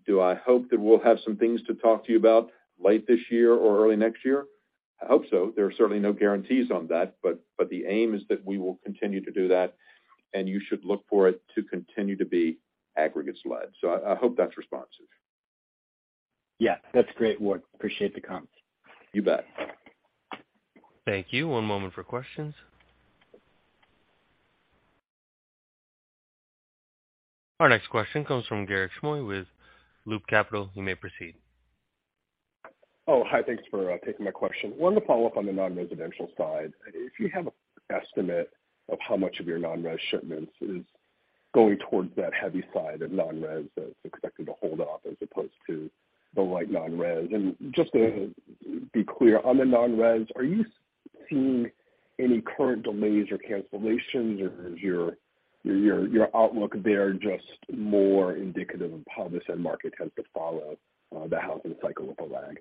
Do I hope that we'll have some things to talk to you about late this year or early next year? I hope so. There are certainly no guarantees on that, but the aim is that we will continue to do that, and you should look for it to continue to be aggregates led. I hope that's responsive. Yeah. That's great, Ward. Appreciate the comments. You bet. Thank you. One moment for questions. Our next question comes from Garik Shmois with Loop Capital. You may proceed. Oh, hi. Thanks for taking my question. Wanted to follow up on the non-residential side. If you have an estimate of how much of your non-res shipments is going towards that heavy side of non-res that's expected to hold up as opposed to the light non-res. Just to be clear, on the non-res, are you seeing any current delays or cancellations, or is your outlook there just more indicative of how this end market tends to follow the housing cycle with a lag?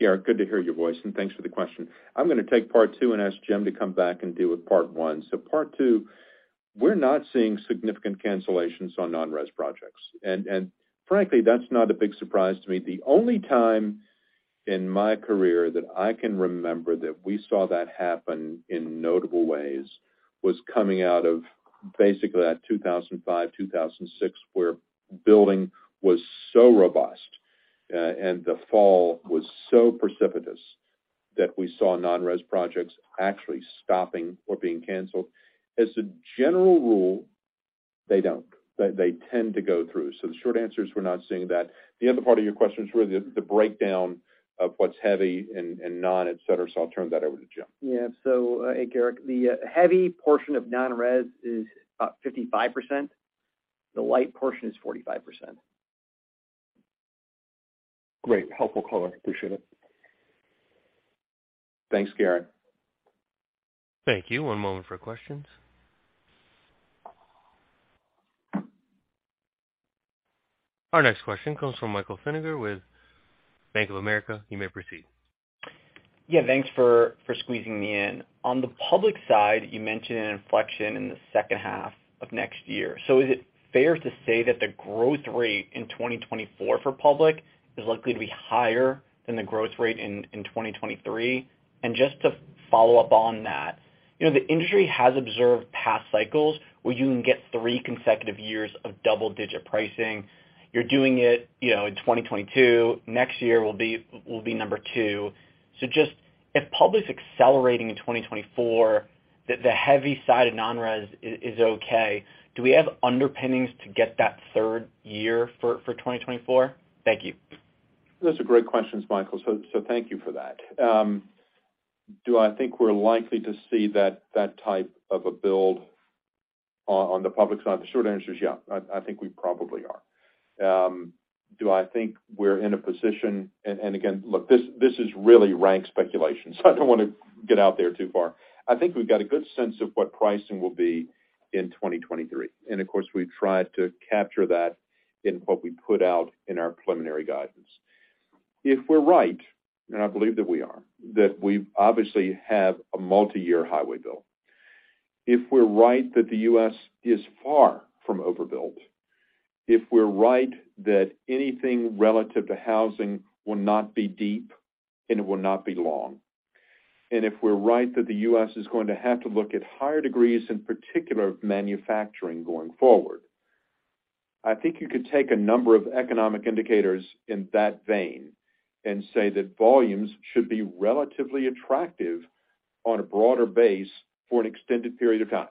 Garik, good to hear your voice, and thanks for the question. I'm gonna take part two and ask Jim to come back and deal with part one. Part two, we're not seeing significant cancellations on non-res projects. And frankly, that's not a big surprise to me. The only time in my career that I can remember that we saw that happen in notable ways was coming out of basically that 2005, 2006, where building was so robust, and the fall was so precipitous that we saw non-res projects actually stopping or being canceled. As a general rule, they don't. They tend to go through. The short answer is we're not seeing that. The other part of your question is really the breakdown of what's heavy and non, et cetera, so I'll turn that over to Jim. Hey, Garik. The heavy portion of non-res is about 55%. The light portion is 45%. Great. Helpful color. Appreciate it. Thanks, Garik. Thank you. One moment for questions. Our next question comes from Michael Feniger with Bank of America. You may proceed. Yeah, thanks for squeezing me in. On the public side, you mentioned an inflection in the second half of next year. Is it fair to say that the growth rate in 2024 for public is likely to be higher than the growth rate in 2023? Just to follow up on that, you know, the industry has observed past cycles where you can get three consecutive years of double-digit pricing. You're doing it, you know, in 2022. Next year will be number two. Just if public's accelerating in 2024, the heavy side of non-res is okay, do we have underpinnings to get that third year for 2024? Thank you. Those are great questions, Michael. So thank you for that. Do I think we're likely to see that type of a build on the public side? The short answer is yeah. I think we probably are. Do I think we're in a position? Again, look, this is really rank speculation, so I don't wanna get out there too far. I think we've got a good sense of what pricing will be in 2023. Of course, we've tried to capture that in what we put out in our preliminary guidance. If we're right, and I believe that we are, that we obviously have a multiyear highway bill. If we're right that the U.S. is far from overbuilt, if we're right that anything relative to housing will not be deep, and it will not be long, and if we're right that the U.S. is going to have to look at higher degrees, in particular of manufacturing going forward, I think you could take a number of economic indicators in that vein and say that volumes should be relatively attractive on a broader base for an extended period of time.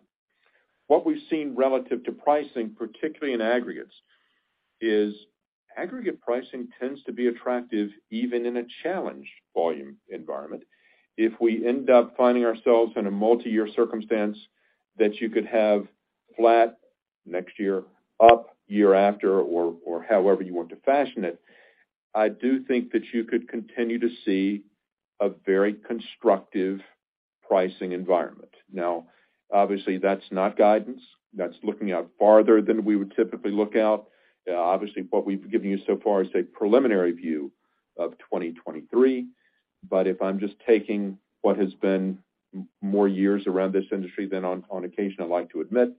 What we've seen relative to pricing, particularly in aggregates, is aggregate pricing tends to be attractive even in a challenged volume environment. If we end up finding ourselves in a multiyear circumstance that you could have flat next year, up year after or however you want to fashion it, I do think that you could continue to see a very constructive pricing environment. Now, obviously, that's not guidance. That's looking out farther than we would typically look out. Obviously, what we've given you so far is a preliminary view of 2023, but if I'm just taking what has been more years around this industry than on occasion I'd like to admit,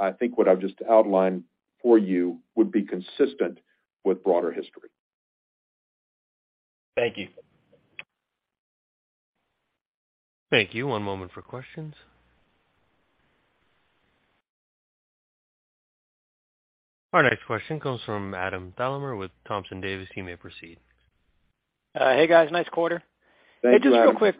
I think what I've just outlined for you would be consistent with broader history. Thank you. Thank you. One moment for questions. Our next question comes from Adam Thalhimer with Thompson Davis. You may proceed. Hey, guys. Nice quarter. Thanks, Adam. Hey, just real quick,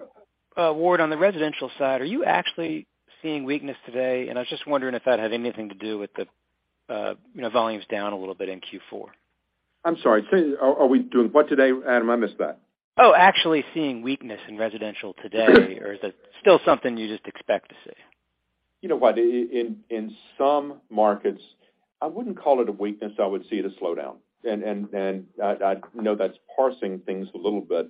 Ward, on the residential side, are you actually seeing weakness today? I was just wondering if that had anything to do with the, you know, volumes down a little bit in Q4. I'm sorry. Say again. Are we doing what today, Adam? I missed that. Oh, actually seeing weakness in residential today, or is it still something you just expect to see? You know what? In some markets, I wouldn't call it a weakness. I would see it as a slowdown. I know that's parsing things a little bit.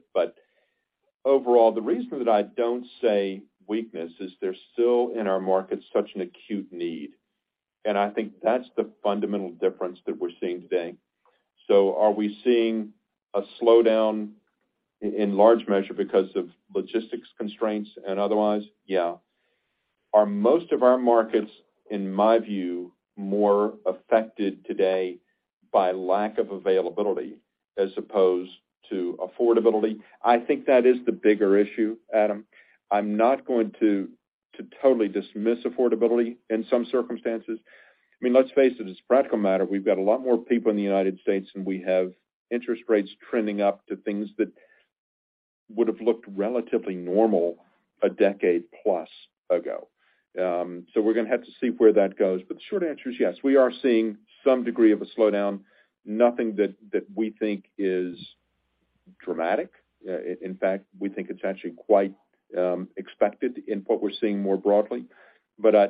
Overall, the reason that I don't say weakness is there's still in our markets such an acute need, and I think that's the fundamental difference that we're seeing today. Are we seeing a slowdown in large measure because of logistics constraints and otherwise? Yeah. Are most of our markets, in my view, more affected today by lack of availability as opposed to affordability? I think that is the bigger issue, Adam. I'm not going to totally dismiss affordability in some circumstances. I mean, let's face it, as a practical matter, we've got a lot more people in the United States, and we have interest rates trending up to things that would've looked relatively normal a decade plus ago. We're gonna have to see where that goes. The short answer is yes. We are seeing some degree of a slowdown, nothing that we think is dramatic. In fact, we think it's actually quite expected in what we're seeing more broadly.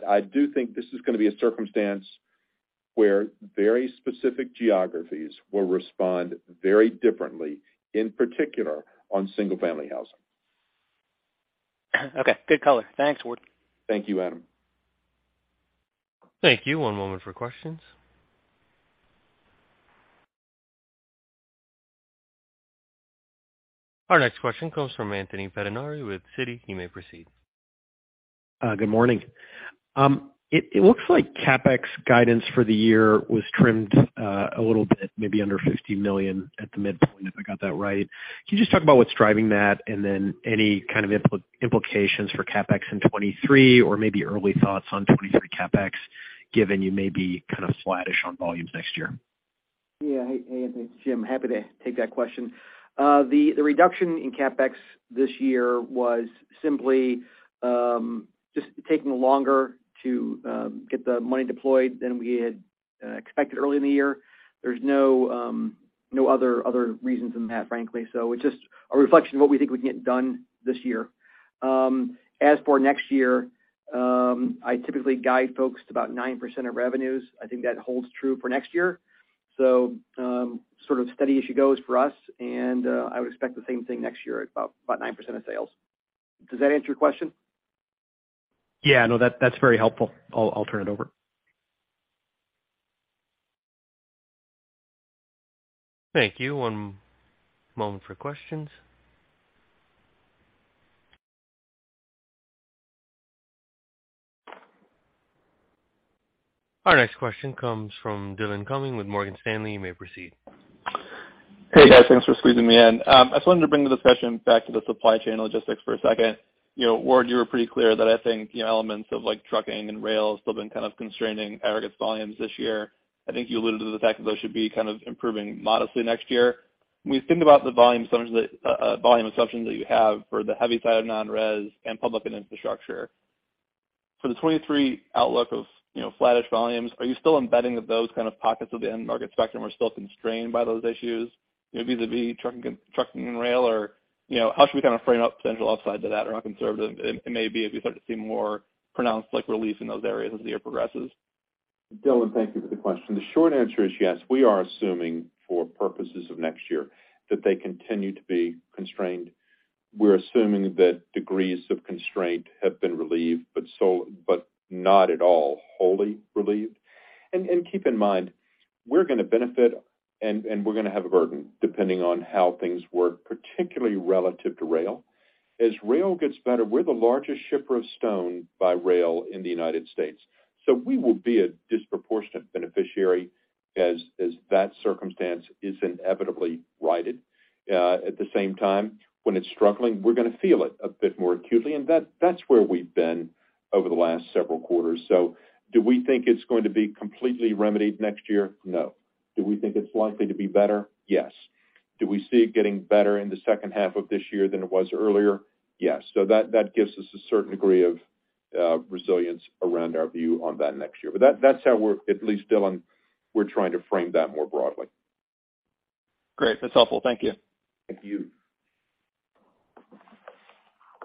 I do think this is gonna be a circumstance where very specific geographies will respond very differently, in particular on single family housing. Okay. Good color. Thanks, Ward. Thank you, Adam. Thank you. One moment for questions. Our next question comes from Anthony Pettinari with Citi. You may proceed. Good morning. It looks like CapEx guidance for the year was trimmed a little bit, maybe under $50 million at the midpoint, if I got that right. Can you just talk about what's driving that, and then any kind of implications for CapEx in 2023 or maybe early thoughts on 2023 CapEx, given you may be kind of flattish on volumes next year? Yeah. Hey, Anthony. Jim, happy to take that question. The reduction in CapEx this year was simply just taking longer to get the money deployed than we had expected early in the year. There's no other reasons than that, frankly. It's just a reflection of what we think we can get done this year. As for next year, I typically guide folks to about 9% of revenues. I think that holds true for next year. Sort of steady as she goes for us, and I would expect the same thing next year, about 9% of sales. Does that answer your question? Yeah. No, that's very helpful. I'll turn it over. Thank you. One moment for questions. Our next question comes from Angel Castillo with Morgan Stanley. You may proceed. Hey, guys. Thanks for squeezing me in. I just wanted to bring the discussion back to the supply chain logistics for a second. You know, Ward, you were pretty clear that I think, you know, elements of like trucking and rail still been kind of constraining aggregates volumes this year. I think you alluded to the fact that those should be kind of improving modestly next year. When we think about the volume assumptions that you have for the heavy side of non-res and public and infrastructure, for the 2023 outlook of, you know, flattish volumes, are you still embedding that those kind of pockets of the end market spectrum are still constrained by those issues, you know, vis-a-vis trucking and rail or, you know, how should we kind of frame up potential upside to that or how conservative it may be as we start to see more pronounced like relief in those areas as the year progresses? Angel, thank you for the question. The short answer is yes, we are assuming for purposes of next year that they continue to be constrained. We're assuming that degrees of constraint have been relieved, but not at all wholly relieved. Keep in mind, we're gonna benefit and we're gonna have a burden depending on how things work, particularly relative to rail. As rail gets better, we're the largest shipper of stone by rail in the United States. We will be a disproportionate beneficiary as that circumstance is inevitably righted. At the same time, when it's struggling, we're gonna feel it a bit more acutely, and that's where we've been over the last several quarters. Do we think it's going to be completely remedied next year? No. Do we think it's likely to be better? Yes. Do we see it getting better in the second half of this year than it was earlier? Yes. That gives us a certain degree of resilience around our view on that next year. That's how we're at least, Angel, we're trying to frame that more broadly. Great. That's helpful. Thank you. Thank you.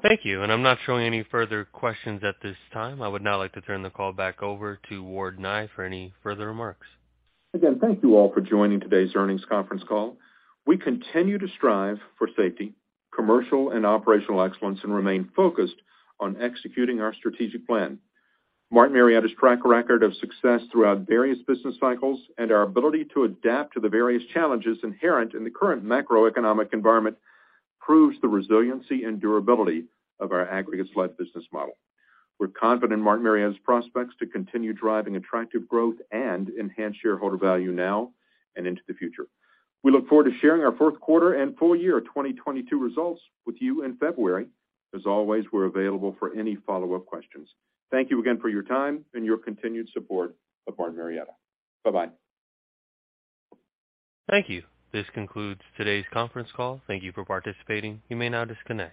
Thank you. I'm not showing any further questions at this time. I would now like to turn the call back over to Ward Nye for any further remarks. Again, thank you all for joining today's earnings conference call. We continue to strive for safety, commercial and operational excellence, and remain focused on executing our strategic plan. Martin Marietta's track record of success throughout various business cycles and our ability to adapt to the various challenges inherent in the current macroeconomic environment proves the resiliency and durability of our aggregates-led business model. We're confident in Martin Marietta's prospects to continue driving attractive growth and enhance shareholder value now and into the future. We look forward to sharing our Q4 and full year 2022 results with you in February. As always, we're available for any follow-up questions. Thank you again for your time and your continued support of Martin Marietta. Bye-bye. Thank you. This concludes today's conference call. Thank you for participating. You may now disconnect.